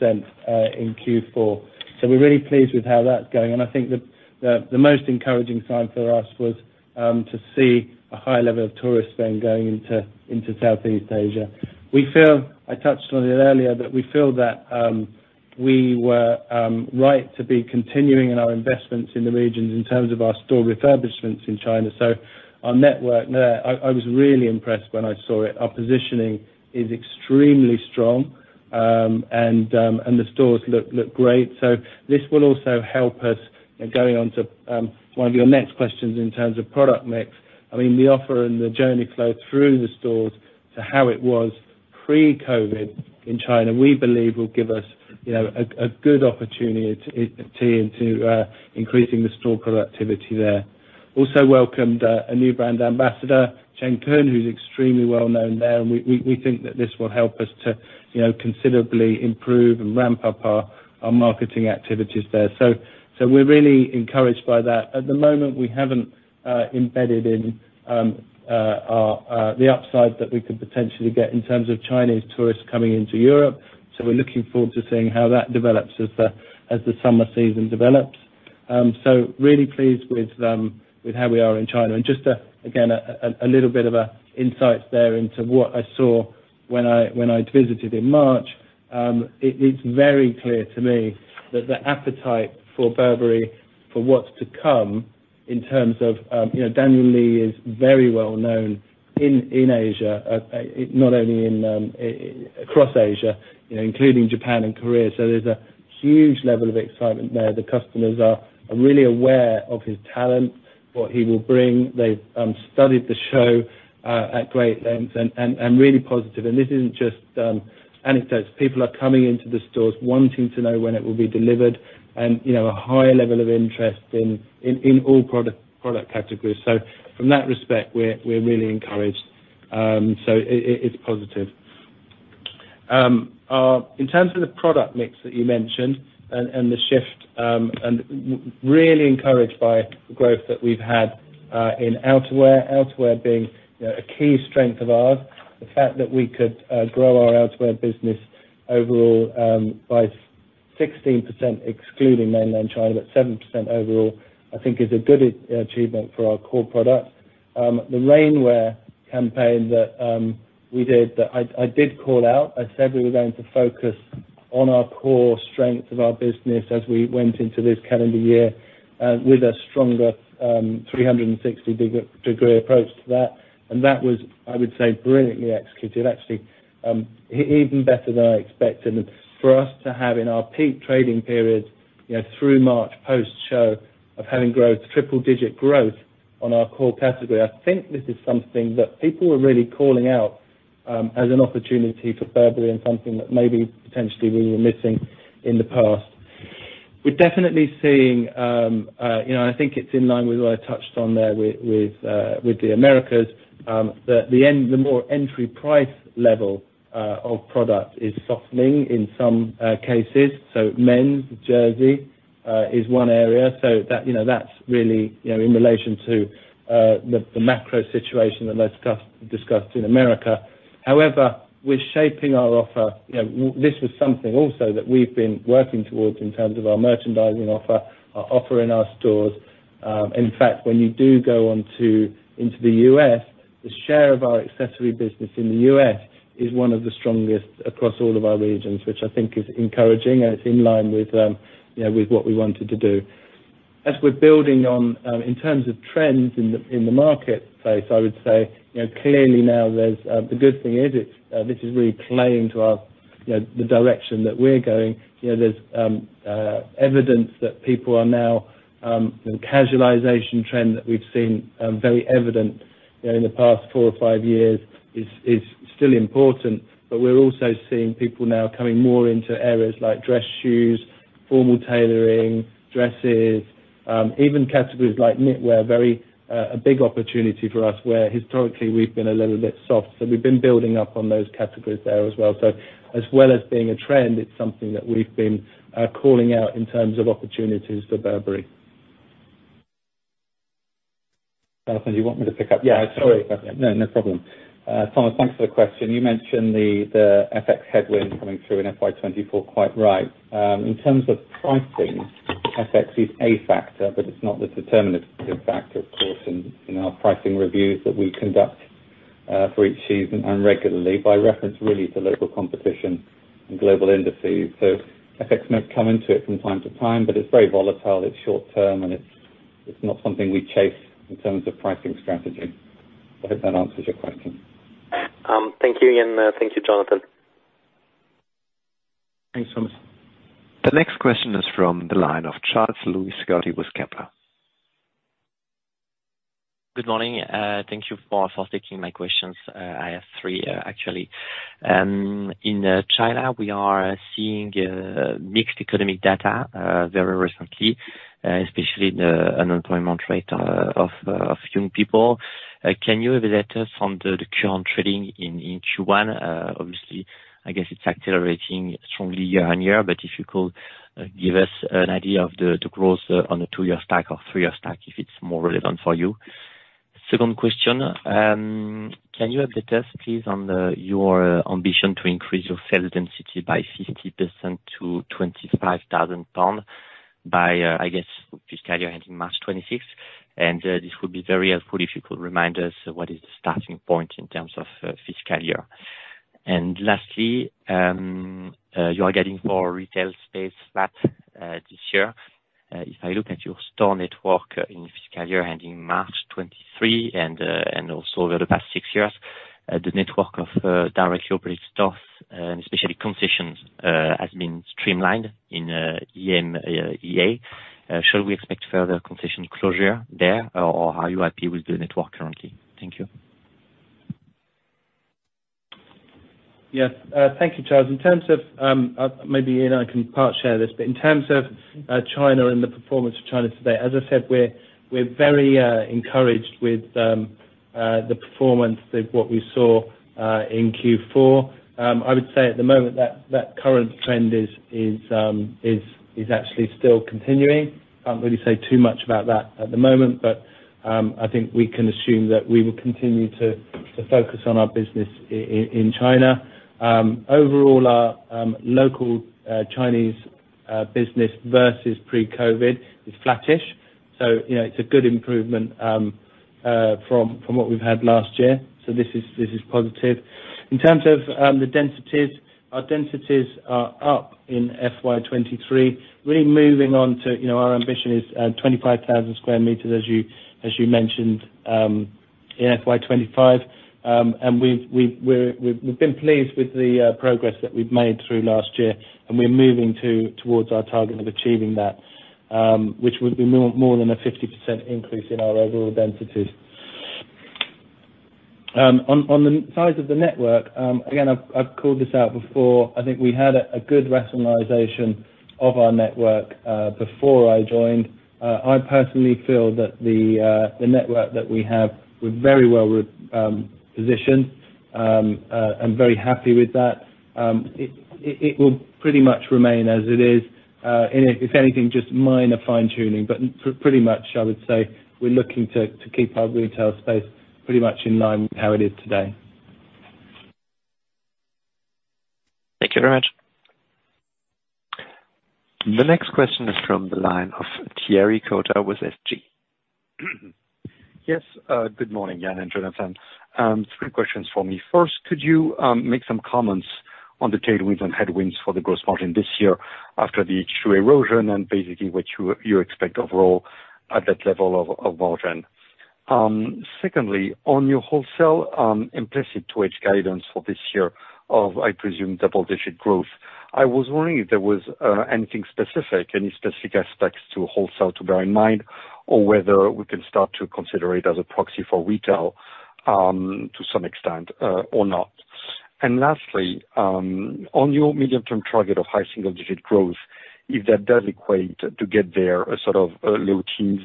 in Q4. We're really pleased with how that's going. I think the, the most encouraging sign for us was to see a high level of tourist spend going into Southeast Asia. We feel, I touched on it earlier, but we feel that, we were right to be continuing in our investments in the regions in terms of our store refurbishments in China. Our network there, I was really impressed when I saw it. Our positioning is extremely strong, and the stores look great. This will also help us, going on to one of your next questions in terms of product mix. I mean, the offer and the journey flow through the stores to how it was pre-COVID-19 in China, we believe will give us, you know, a good opportunity to increasing the store productivity there. Also welcomed a new brand ambassador, Chen Kun, who's extremely well known there. We think that this will help us to, you know, considerably improve and ramp up our marketing activities there. We're really encouraged by that. At the moment, we haven't embedded in our the upside that we could potentially get in terms of Chinese tourists coming into Europe. We're looking forward to seeing how that develops as the summer season develops. Really pleased with how we are in China. Just again, a little bit of a insight there into what I saw when I visited in March. It's very clear to me that the appetite for Burberry for what's to come in terms of, you know, Daniel Lee is very well known in Asia, not only in across Asia, you know, including Japan and Korea. There's a huge level of excitement there. The customers are really aware of his talent, what he will bring. They've studied the show at great length and really positive. This isn't just anecdotes. People are coming into the stores wanting to know when it will be delivered and, you know, a high level of interest in all product categories. From that respect, we're really encouraged. It's positive. In terms of the product mix that you mentioned and the shift, really encouraged by the growth that we've had, in outerwear. Outwear being, you know, a key strength of ours. The fact that we could, grow our outerwear business overall, by 16%, excluding mainland China, but 7% overall, I think is a good achievement for our core product. The rainwear campaign that, we did, that I did call out, I said we were going to focus on our core strengths of our business as we went into this calendar year, with a stronger, 360-degree approach to that. That was, I would say, brilliantly executed, actually, even better than I expected. For us to have in our peak trading periods, you know, through March post-show of having growth, triple-digit growth on our core category, I think this is something that people are really calling out as an opportunity for Burberry and something that maybe potentially we were missing in the past. We're definitely seeing, you know, I think it's in line with what I touched on there with the Americas, that the more entry price level of product is softening in some cases. Men's jersey is one area, so that, you know, that's really, you know, in relation to the macro situation that I discussed in America. However, we're shaping our offer. You know, this was something also that we've been working towards in terms of our merchandising offer, our offer in our stores. In fact, when you do go into the U.S., the share of our accessory business in the U.S. is one of the strongest across all of our regions, which I think is encouraging, and it's in line with, you know, with what we wanted to do. We're building on, in terms of trends in the marketplace, I would say, you know, clearly now there's the good thing is it's this is really playing to our, you know, the direction that we're going. You know, there's evidence that people are now, you know, casualization trend that we've seen very evident, you know, in the past four or five years is still important. We're also seeing people now coming more into areas like dress shoes, formal tailoring, dresses, even categories like knitwear, very, a big opportunity for us, where historically we've been a little bit soft. We've been building up on those categories there as well. As well as being a trend, it's something that we've been calling out in terms of opportunities for Burberry. Jonathan, do you want me to pick up? Yeah, sorry. No, no problem. Thomas, thanks for the question. You mentioned the FX headwind coming through in FY 2024, quite right. In terms of pricing, FX is a factor, but it's not the deterministic factor, of course, in our pricing reviews that we conduct, for each season and regularly by reference really to local competition and global indices. FX may come into it from time to time, but it's very volatile, it's short term, and it's not something we chase in terms of pricing strategy. I hope that answers your question. Thank you, Ian. Thank you, Jonathan. Thanks so much. The next question is from the line of Charles-Louis Scotti with Kepler. Good morning. Thank you for taking my questions. I have three, actually. In China, we are seeing mixed economic data, very recently, especially the unemployment rate of young people. Can you update us on the current trading in Q1? Obviously, I guess it's accelerating strongly year-on-year, but if you could give us an idea of the growth on a two-year stack or three-year stack if it's more relevant for you. Second question, can you update us, please, on your ambition to increase your sales density by 50% to 25,000 pounds by I guess fiscal year ending March 26th? This would be very helpful if you could remind us what is the starting point in terms of fiscal year. Lastly, you are getting more retail space flat this year. If I look at your store network in fiscal year ending March 23 and also over the past 6 years, the network of directly operated stores and especially concessions has been streamlined in EMEA. Shall we expect further concession closure there or are you happy with the network currently? Thank you. Yes. Thank you, Charles. In terms of, maybe, Ian, I can part share this, but in terms of China and the performance of China today, as I said, we're very encouraged with the performance of what we saw in Q4. I would say at the moment that current trend is actually still continuing. Can't really say too much about that at the moment, but I think we can assume that we will continue to focus on our business in China. Overall, our local Chinese business versus pre-COVID is flattish. You know, it's a good improvement from what we've had last year. This is positive. In terms of the densities, our densities are up in FY 23. Really moving on to, you know, our ambition is 25,000 square meters, as you mentioned, in FY25. We've been pleased with the progress that we've made through last year, and we're moving towards our target of achieving that, which would be more than a 50% increase in our overall densities. On the size of the network, again, I've called this out before. I think we had a good rationalization of our network before I joined. I personally feel that the network that we have, we're very well repositioned. I'm very happy with that. It will pretty much remain as it is, if anything, just minor fine-tuning. Pretty much I would say we're looking to keep our retail space pretty much in line with how it is today. Thank you very much. The next question is from the line of Thierry Cota with SG. Yes. Good morning, Ian and Jonathan. Three questions for me. First, could you make some comments on the tailwinds and headwinds for the gross margin this year after the H2 erosion and basically what you expect overall at that level of margin? Secondly, on your wholesale implicit to edge guidance for this year of, I presume, double-digit growth, I was wondering if there was anything specific, any specific aspects to wholesale to bear in mind or whether we can start to consider it as a proxy for retail, to some extent, or not? Lastly, on your medium-term target of high single-digit growth, if that does equate to get there a sort of low-teens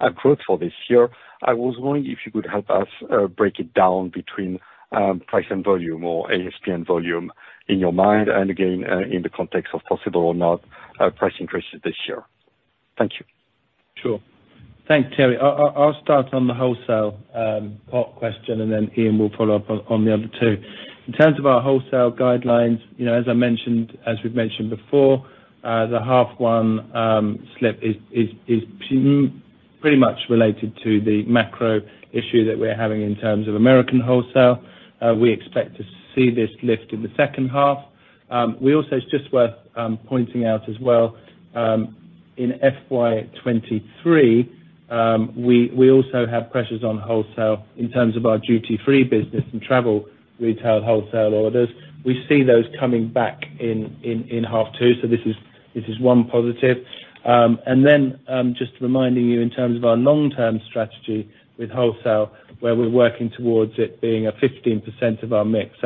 approach for this year, I was wondering if you could help us break it down between price and volume or ASP and volume in your mind, and again, in the context of possible or not, price increases this year. Thank you. Sure. Thanks, Thierry. I'll start on the wholesale part question, and then Ian will follow up on the other two. In terms of our wholesale guidelines, you know, as I mentioned, as we've mentioned before, the H1 slip is pretty much related to the macro issue that we're having in terms of American wholesale. We expect to see this lift in the H2. We also, it's just worth pointing out as well, in FY 23, we also have pressures on wholesale in terms of our duty-free business and travel retail wholesale orders. We see those coming back in H2, so this is one positive. Just reminding you in terms of our long-term strategy with wholesale, where we're working towards it being a 15% of our mix.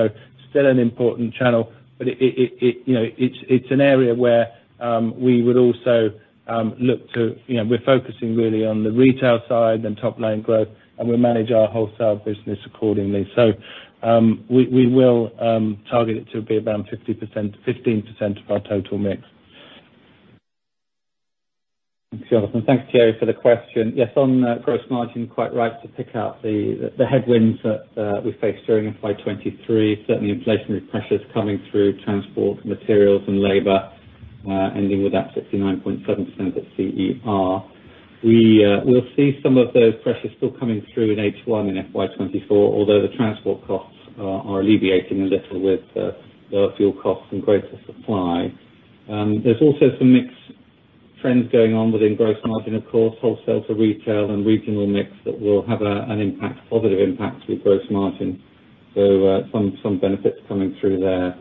Still an important channel, but it, you know, it's an area where we would also look to, you know, we're focusing really on the retail side and top line growth, and we manage our wholesale business accordingly. We will target it to be around 50%-15% of our total mix. Thanks, Jonathan. Thanks, Thierry, for the question. Yes, on gross margin, quite right to pick out the headwinds that we face during FY 2023, certainly inflationary pressures coming through transport, materials and labor, ending with that 69.7% at CER. We will see some of those pressures still coming through in H1 in FY 2024, although the transport costs are alleviating a little with lower fuel costs and greater supply. There's also some mix trends going on within gross margin, of course, wholesale to retail and regional mix that will have an impact, positive impact with gross margin. Some benefits coming through there.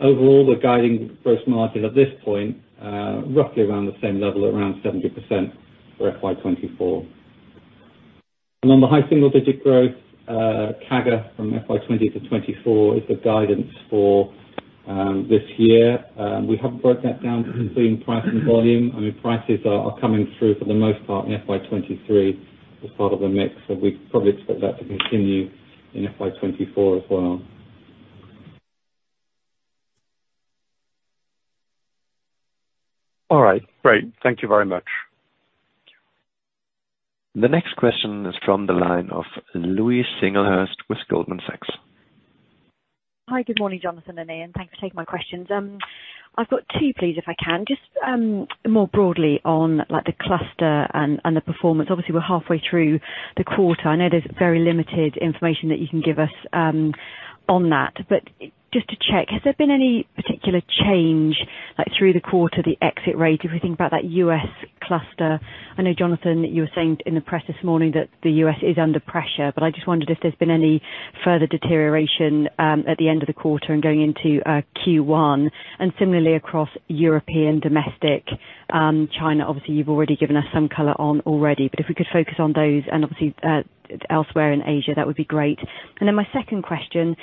Overall, we're guiding gross margin at this point, roughly around the same level, around 70% for FY 2024. On the high single digit growth, CAGR from FY 2020-2024 is the guidance for this year. We haven't broke that down between price and volume. Prices are coming through for the most part in FY 2023 as part of the mix, so we probably expect that to continue in FY 2024 as well. All right, great. Thank Thank you very much. Thank you. The next question is from the line of Louise Singlehurst with Goldman Sachs. Hi, good morning, Jonathan and Ian. Thanks for taking my questions. I've got two, please, if I can. Just more broadly on like the cluster and the performance. Obviously, we're halfway through the quarter. I know there's very limited information that you can give us on that. Just to check, has there been any particular change, like through the quarter, the exit rate, if we think about that U.S. cluster? I know, Jonathan, you were saying in the press this morning that the U.S. is under pressure, but I just wondered if there's been any further deterioration at the end of the quarter and going into Q1. Similarly across European, domestic, China, obviously, you've already given us some color on already. If we could focus on those and obviously elsewhere in Asia, that would be great. My second question,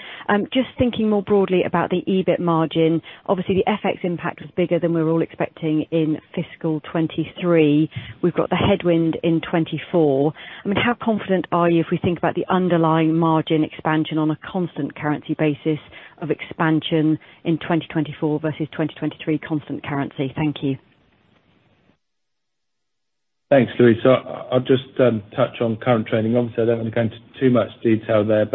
just thinking more broadly about the EBIT margin. Obviously, the FX impact was bigger than we were all expecting in fiscal 2023. We've got the headwind in 2024. I mean, how confident are you if we think about the underlying margin expansion on a constant currency basis of expansion in 2024 versus 2023 constant currency? Thank you. Thanks, Louise. I'll just touch on current trading. Obviously, I don't want to go into too much detail there.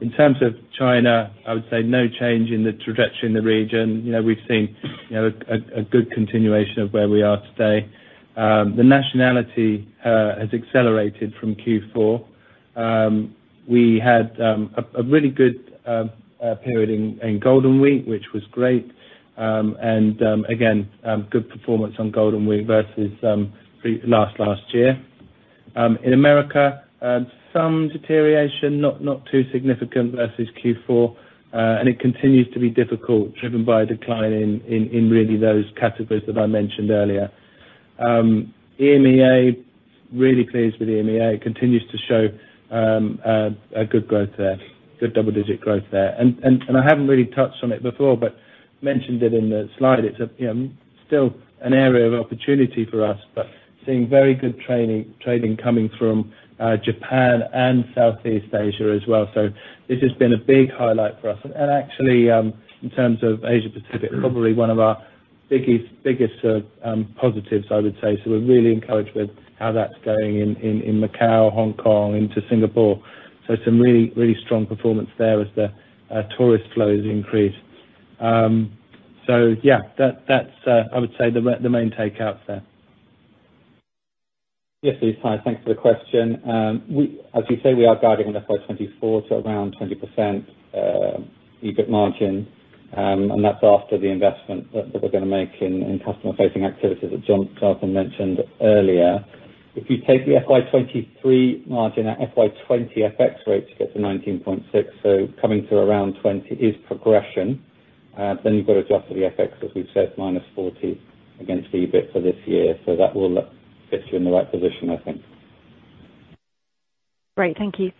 In terms of China, I would say no change in the trajectory in the region. You know, we've seen, you know, a good continuation of where we are today. The nationality has accelerated from Q4. We had a really good period in Golden Week, which was great. Again, good performance on Golden Week versus last year. In America, some deterioration, not too significant versus Q4. It continues to be difficult, driven by a decline in really those categories that I mentioned earlier. EMEA really pleased with EMEA. Continues to show a good growth there, good double-digit growth there. I haven't really touched on it before, but mentioned it in the slide. It's, you know, still an area of opportunity for us, but seeing very good trading coming from Japan and Southeast Asia as well. This has been a big highlight for us. Actually, in terms of Asia-Pacific, probably one of our biggest positives, I would say. We're really encouraged with how that's going in Macau, Hong Kong into Singapore. Some really, really strong performance there as the tourist flows increase. Yeah, that's, I would say the main takeout there. Yes, Louise. Hi, thanks for the question. As you say, we are guiding on FY 2024 to around 20%, EBIT margin. That's after the investment that we're gonna make in customer-facing activities that Jonathan mentioned earlier. If you take the FY 2023 margin at FY 2020 FX rates, you get to 19.6. Coming to around 20 is progression. Then you've got to adjust for the FX, as we've said, -40 against EBIT for this year. That will fit you in the right position, I think. Great. Thank you.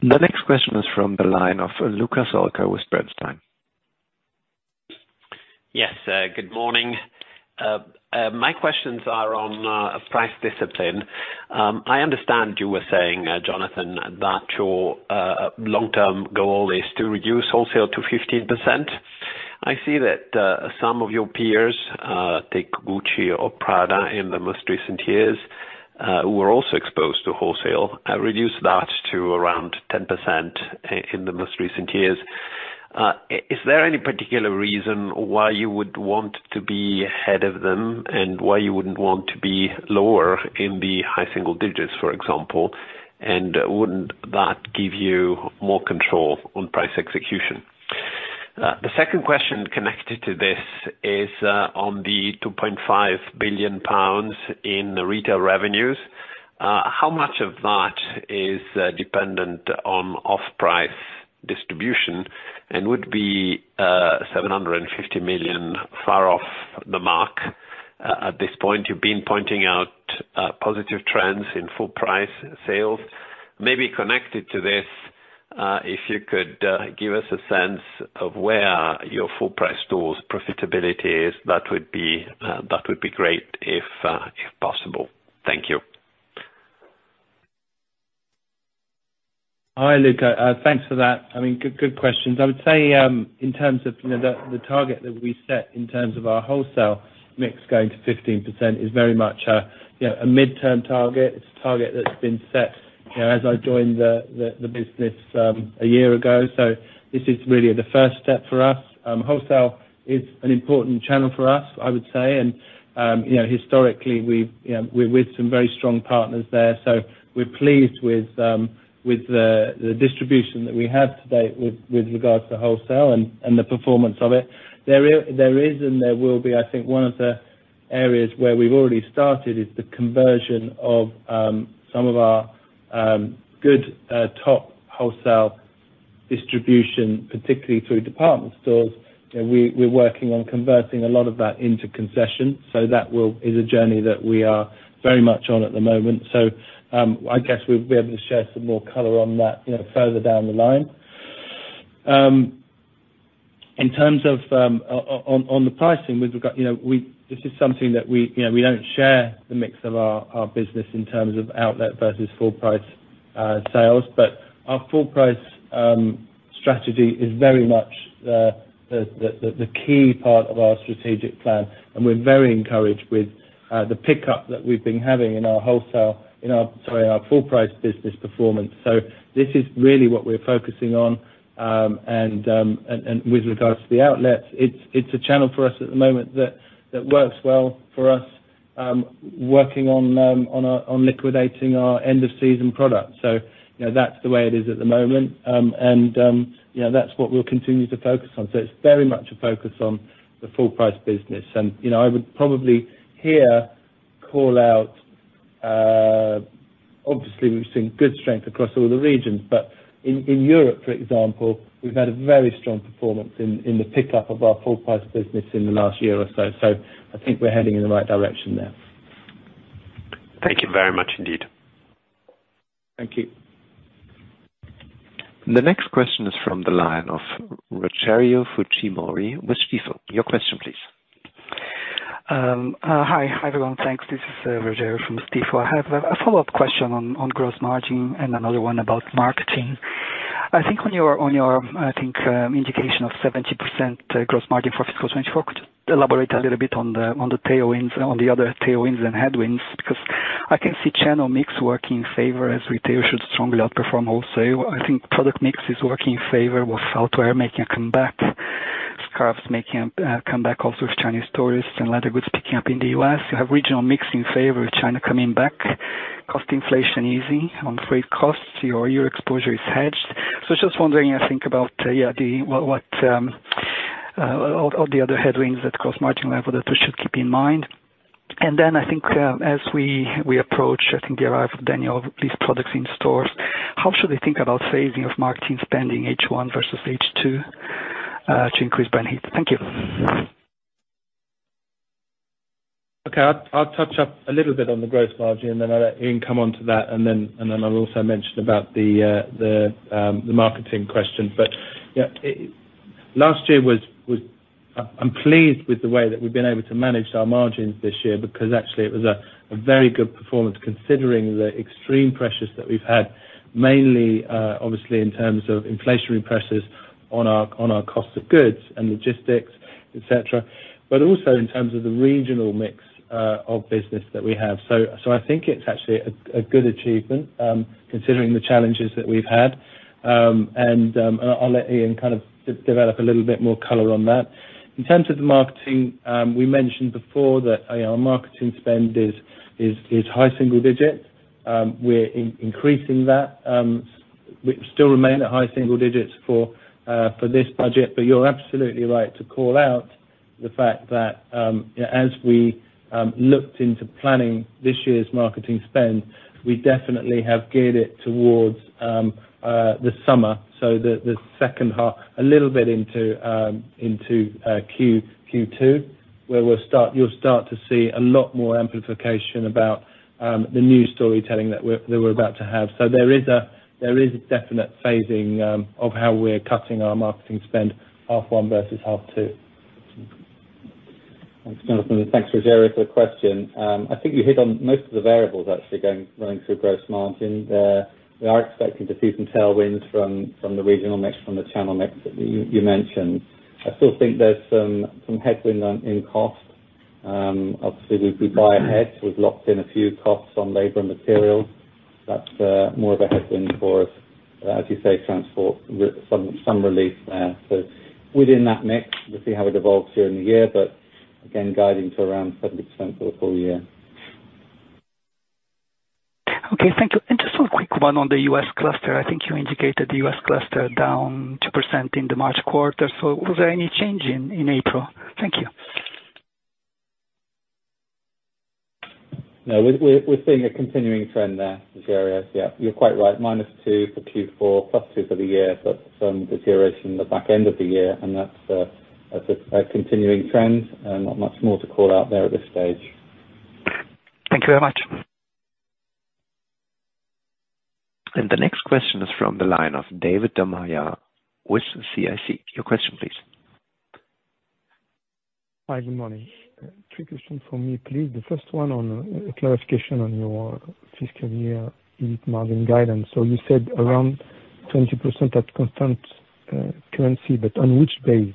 The next question is from the line of Luca Solca with Bernstein. Yes, good morning. My questions are on price discipline. I understand you were saying, Jonathan, that your long-term goal is to reduce wholesale to 15%. I see that some of your peers, take Gucci or Prada in the most recent years, who are also exposed to wholesale, have reduced that to around 10% in the most recent years. Is there any particular reason why you would want to be ahead of them and why you wouldn't want to be lower in the high single digits, for example? Wouldn't that give you more control on price execution? The second question connected to this is on the 2.5 billion pounds in retail revenues. How much of that is dependent on off-price distribution? Would be, 750 million far off the mark at this point? You've been pointing out, positive trends in full price sales. Maybe connected to this, if you could, give us a sense of where your full price stores profitability is, that would be, that would be great if possible. Thank you. Hi, Luca. Thanks for that. I mean, good questions. I would say, in terms of, you know, the target that we set in terms of our wholesale mix going to 15% is very much a, you know, a midterm target. It's a target that's been set, you know, as I joined the business a year ago. This is really the first step for us. Wholesale is an important channel for us, I would say. You know, historically, we've, you know, we're with some very strong partners there. We're pleased with the distribution that we have today with regards to wholesale and the performance of it. There is and there will be, I think one of the areas where we've already started is the conversion of some of our good top wholesale distribution, particularly through department stores. You know, we're working on converting a lot of that into concession. is a journey that we are very much on at the moment. So, I guess we'll able to share some more color on that, you know, further down the line. In terms of on the pricing, we've got, you know, we. This is something that we, you know, we don't share the mix of our business in terms of outlet versus full price sales. Our full price strategy is very much the key part of our strategic plan, and we're very encouraged with the pickup that we've been having in our wholesale, in our full price business performance. This is really what we're focusing on. With regards to the outlets, it's a channel for us at the moment that works well for us, working on liquidating our end of season product. You know, that's the way it is at the moment. You know, that's what we'll continue to focus on. It's very much a focus on the full price business. You know, I would probably here call out, obviously we've seen good strength across all the regions, but in Europe, for example, we've had a very strong performance in the pickup of our full price business in the last year or so. I think we're heading in the right direction there. Thank you very much indeed. Thank you. The next question is from the line of Rogerio Fujimori with Stifel. Your question, please. Hi, everyone. Thanks. This is Rogerio from Stifel. I have a follow-up question on gross margin and another one about marketing. I think on your, I think, indication of 70% gross margin for fiscal 2024, could you elaborate a little bit on the tailwinds, on the other tailwinds and headwinds? Because I can see channel mix working in favor as retail should strongly outperform wholesale. I think product mix is working in favor with software making a comeback, scarves making a comeback also with Chinese tourists and leather goods picking up in the US. You have regional mix in favor of China coming back, cost inflation easing on freight costs. Your Euro exposure is hedged. Just wondering, I think about, yeah, the... of the other headwinds that cross margin level that we should keep in mind. Then I think, as we approach, I think the arrival of Daniel Lee, these products in stores, how should they think about saving of marketing spending H1 versus H2 to increase brand heat? Thank you. Okay. I'll touch up a little bit on the gross margin, and then I'll let Ian come on to that, and then I'll also mention about the marketing question. You know, I'm pleased with the way that we've been able to manage our margins this year, because actually it was a very good performance considering the extreme pressures that we've had, mainly obviously in terms of inflationary pressures on our cost of goods and logistics, etcetera. Also in terms of the regional mix of business that we have. I think it's actually a good achievement considering the challenges that we've had. I'll let Ian kind of de-develop a little bit more color on that. In terms of the marketing, we mentioned before that, you know, our marketing spend is high single digit. We're increasing that. We still remain at high single digits for this budget. You're absolutely right to call out the fact that, as we looked into planning this year's marketing spend, we definitely have geared it towards the summer. The second half, a little bit into Q2, where you'll start to see a lot more amplification about the new storytelling that we're about to have. There is a definite phasing of how we're cutting our marketing spend half one versus half two. Thanks, Jonathan. Thanks, Rogerio, for the question. I think you hit on most of the variables actually going, running through gross margin. There, we are expecting to see some tailwinds from the regional mix, from the channel mix that you mentioned. I still think there's some headwind on, in cost. Obviously we buy ahead, so we've locked in a few costs on labor and materials. That's more of a headwind for us, as you say, transport with some relief there. Within that mix, we'll see how it evolves during the year, but again, guiding to around 70% for the full year. Okay, thank you. Just one quick one on the U.S. cluster. I think you indicated the U.S. cluster down 2% in the March quarter. Was there any change in April? Thank you. No. We're seeing a continuing trend there, Rogerio. Yeah, you're quite right, -2% for Q4, +2% for the year, but some deterioration in the back end of the year, and that's a continuing trend, and not much more to call out there at this stage. Thank you very much. The next question is from the line of David Da Maia with CIC. Your question please. Hi, good morning. Three questions from me, please. The first one on a clarification on your fiscal year EBIT margin guidance. You said around 20% at constant currency, but on which base?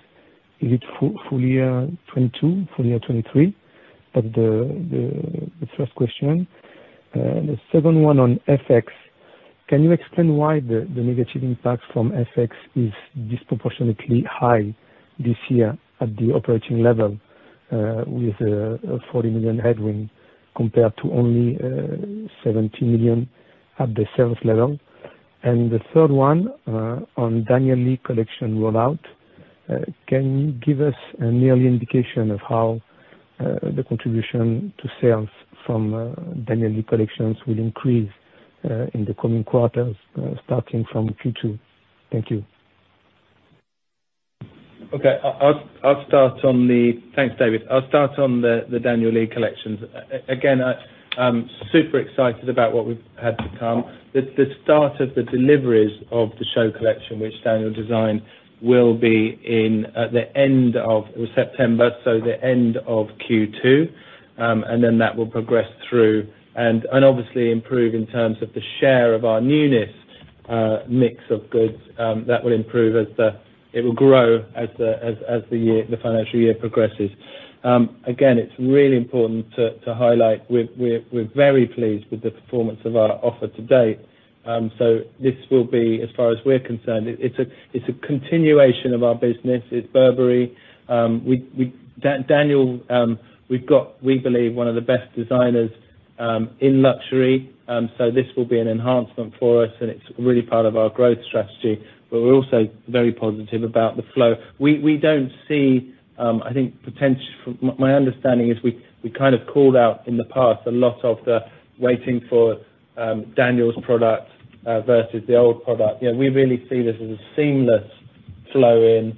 Is it full year 2022? Full year 2023? That's the first question. The second one on FX. Can you explain why the negative impact from FX is disproportionately high this year at the operating level, with a 40 million headwind compared to only 17 million at the sales level? The third one on Daniel Lee collection rollout. Can you give us a yearly indication of how the contribution to sales from Daniel Lee collections will increase in the coming quarters, starting from Q2? Thank you. Okay. I'll start on the. Thanks, David. I'll start on the Daniel Lee collections. Again, I'm super excited about what we've had to come. The start of the deliveries of the show collection, which Daniel designed, will be in the end of September, so the end of Q2. That will progress through and obviously improve in terms of the share of our newness mix of goods. It will grow as the year, the financial year progresses. Again, it's really important to highlight, we're very pleased with the performance of our offer to date. This will be, as far as we're concerned, it's a continuation of our business. It's Burberry. Daniel, we've got, we believe one of the best designers in luxury. This will be an enhancement for us, and it's really part of our growth strategy, but we're also very positive about the flow. We don't see, I think From my understanding is we kind of called out in the past a lot of the waiting for Daniel's product versus the old product. You know, we really see this as a seamless flow in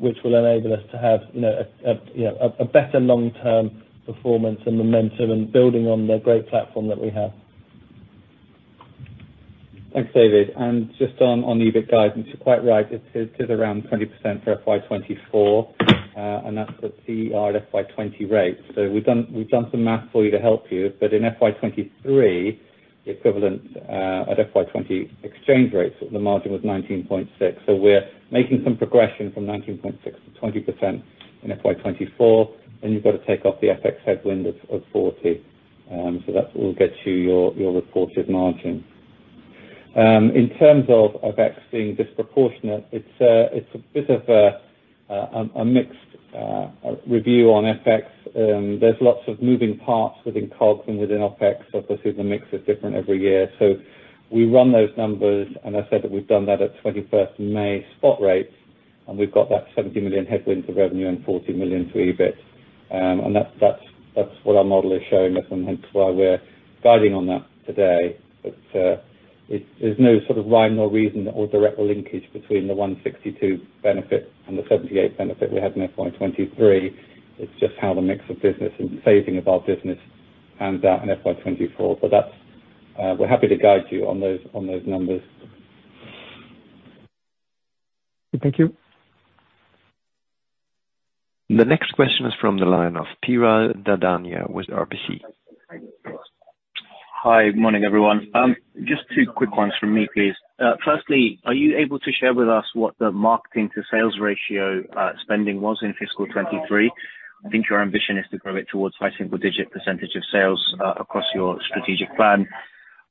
which will enable us to have, you know, a, you know, a better long-term performance and momentum and building on the great platform that we have. Thanks, David. Just on EBIT guidance, you're quite right. It is around 20% for FY24, and that's at CER FY20 rates. We've done some math for you to help you. In FY23, the equivalent at FY20 exchange rates, the margin was 19.6%. We're making some progression from 19.6% to 20% in FY24, then you've got to take off the FX headwind of 40. That will get you your reported margin. In terms of X being disproportionate, it's a bit of a mixed review on FX. There's lots of moving parts within COGS and within OpEx. Obviously, the mix is different every year. We run those numbers, and I said that we've done that at 21st May spot rates, and we've got that 70 million headwind to revenue and 40 million to EBIT. That's what our model is showing us, and hence why we're guiding on that today. There's no sort of rhyme nor reason or direct linkage between the 162 benefit and the 78 benefit we had in FY 2023. It's just how the mix of business and phasing of our business pans out in FY 2024. That's, we're happy to guide you on those numbers. Thank you. The next question is from the line of Piral Dadhania with RBC. Hi. Good morning, everyone. Just two quick ones from me, please. Firstly, are you able to share with us what the marketing to sales ratio spending was in fiscal 23? I think your ambition is to grow it towards high single-digit % of sales across your strategic plan.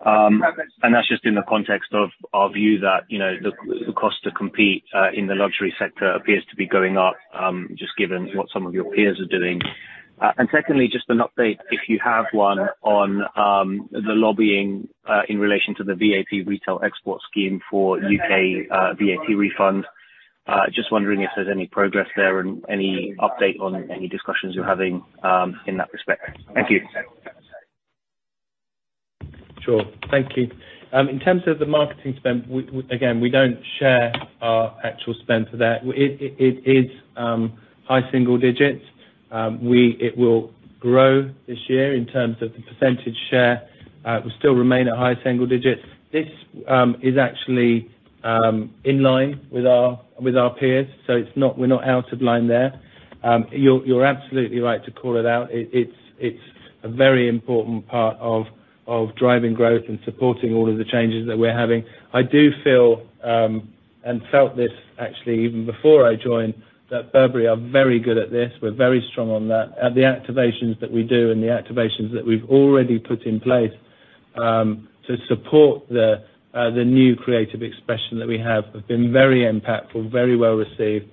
That's just in the context of our view that, you know, the cost to compete in the luxury sector appears to be going up, just given what some of your peers are doing. Secondly, just an update if you have one, on the lobbying in relation to the VAT Retail Export Scheme for U.K. VAT refund. Just wondering if there's any progress there and any update on any discussions you're having in that respect. Thank you. Sure. Thank you. In terms of the marketing spend, again, we don't share our actual spend for that. It is high single digits. It will grow this year in terms of the % share. We still remain at high single digits. This is actually in line with our peers, we're not out of line there. You're absolutely right to call it out. It's a very important part of driving growth and supporting all of the changes that we're having. I do feel and felt this actually even before I joined, that Burberry are very good at this. We're very strong on that. At the activations that we do and the activations that we've already put in place, to support the new creative expression that we have been very impactful, very well received.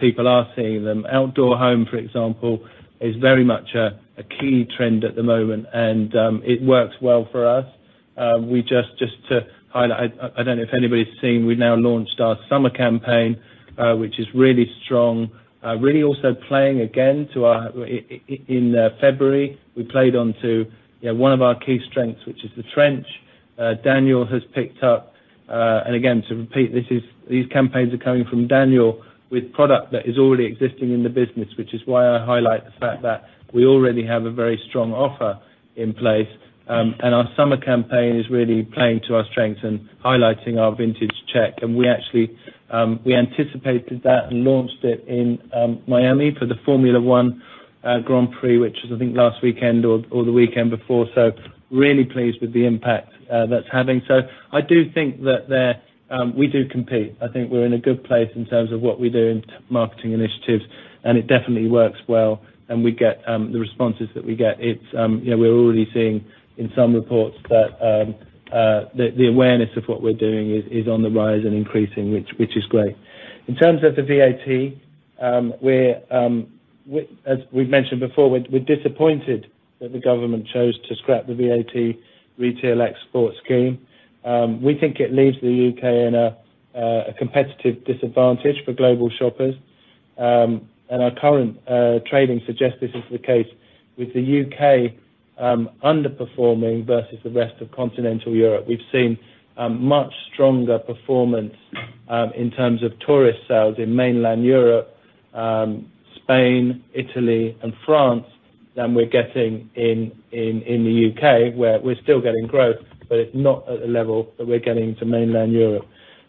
People are seeing them. Outdoor home, for example, is very much a key trend at the moment, and it works well for us. Just to highlight, I don't know if anybody has seen, we now launched our summer campaign, which is really strong. Really also playing again to our... in February, we played onto, you know, one of our key strengths, which is the trench, Daniel has picked up. Again, to repeat, this is... these campaigns are coming from Daniel Lee with product that is already existing in the business, which is why I highlight the fact that we already have a very strong offer in place. Our summer campaign is really playing to our strengths and highlighting our Vintage Check. We actually anticipated that and launched it in Miami for the Formula 1 Grand Prix, which is I think last weekend or the weekend before. Really pleased with the impact that's having. I do think that there we do compete. I think we're in a good place in terms of what we do in marketing initiatives, and it definitely works well, and we get the responses that we get. It's, you know, we're already seeing in some reports that the awareness of what we're doing is on the rise and increasing which is great. In terms of the VAT, we're as we've mentioned before, we're disappointed that the government chose to scrap the VAT Retail Export scheme. We think it leaves the UK in a competitive disadvantage for global shoppers. Our current trading suggests this is the case with the UK underperforming versus the rest of continental Europe. We've seen a much stronger performance in terms of tourist sales in mainland Europe, Spain, Italy and France than we're getting in the UK, where we're still getting growth, but it's not at the level that we're getting to mainland Europe.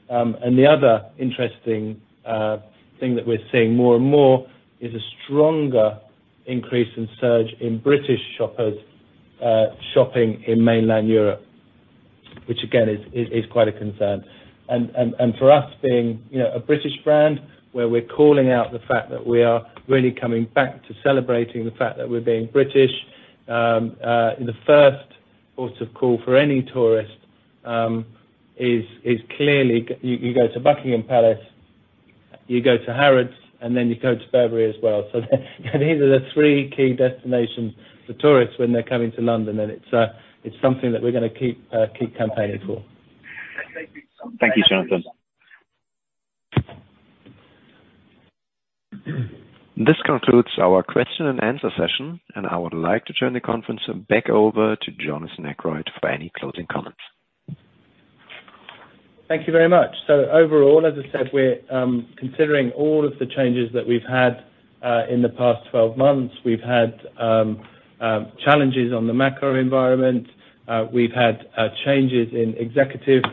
The other interesting thing that we're seeing more and more is a stronger increase in surge in British shoppers shopping in mainland Europe, which again, is quite a concern. For us being, you know, a British brand where we're calling out the fact that we are really coming back to celebrating the fact that we're being British, in the first port of call for any tourist, is clearly you go to Buckingham Palace, you go to Harrods, and then you go to Burberry as well. These are the three key destinations for tourists when they're coming to London, and it's something that we're gonna keep campaigning for. Thank you, Jonathan. This concludes our question and answer session, and I would like to turn the conference back over to Jonathan Akeroyd for any closing comments. Thank you very much. Overall, as I said, we're considering all of the changes that we've had in the past 12 months. We've had challenges on the macro environment. We've had changes in executive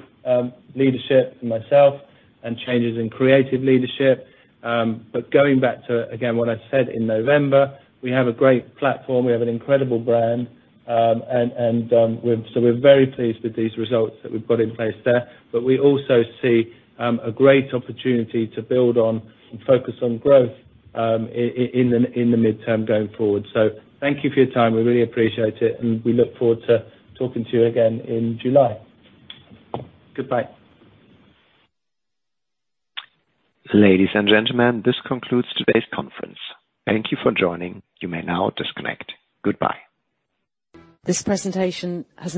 leadership for myself and changes in creative leadership. Going back to, again, what I said in November, we have a great platform, we have an incredible brand. We're very pleased with these results that we've got in place there. We also see a great opportunity to build on and focus on growth in the midterm going forward. Thank you for your time. We really appreciate it, and we look forward to talking to you again in July. Goodbye. Ladies and gentlemen, this concludes today's conference. Thank you for joining. You may now disconnect. Goodbye. This presentation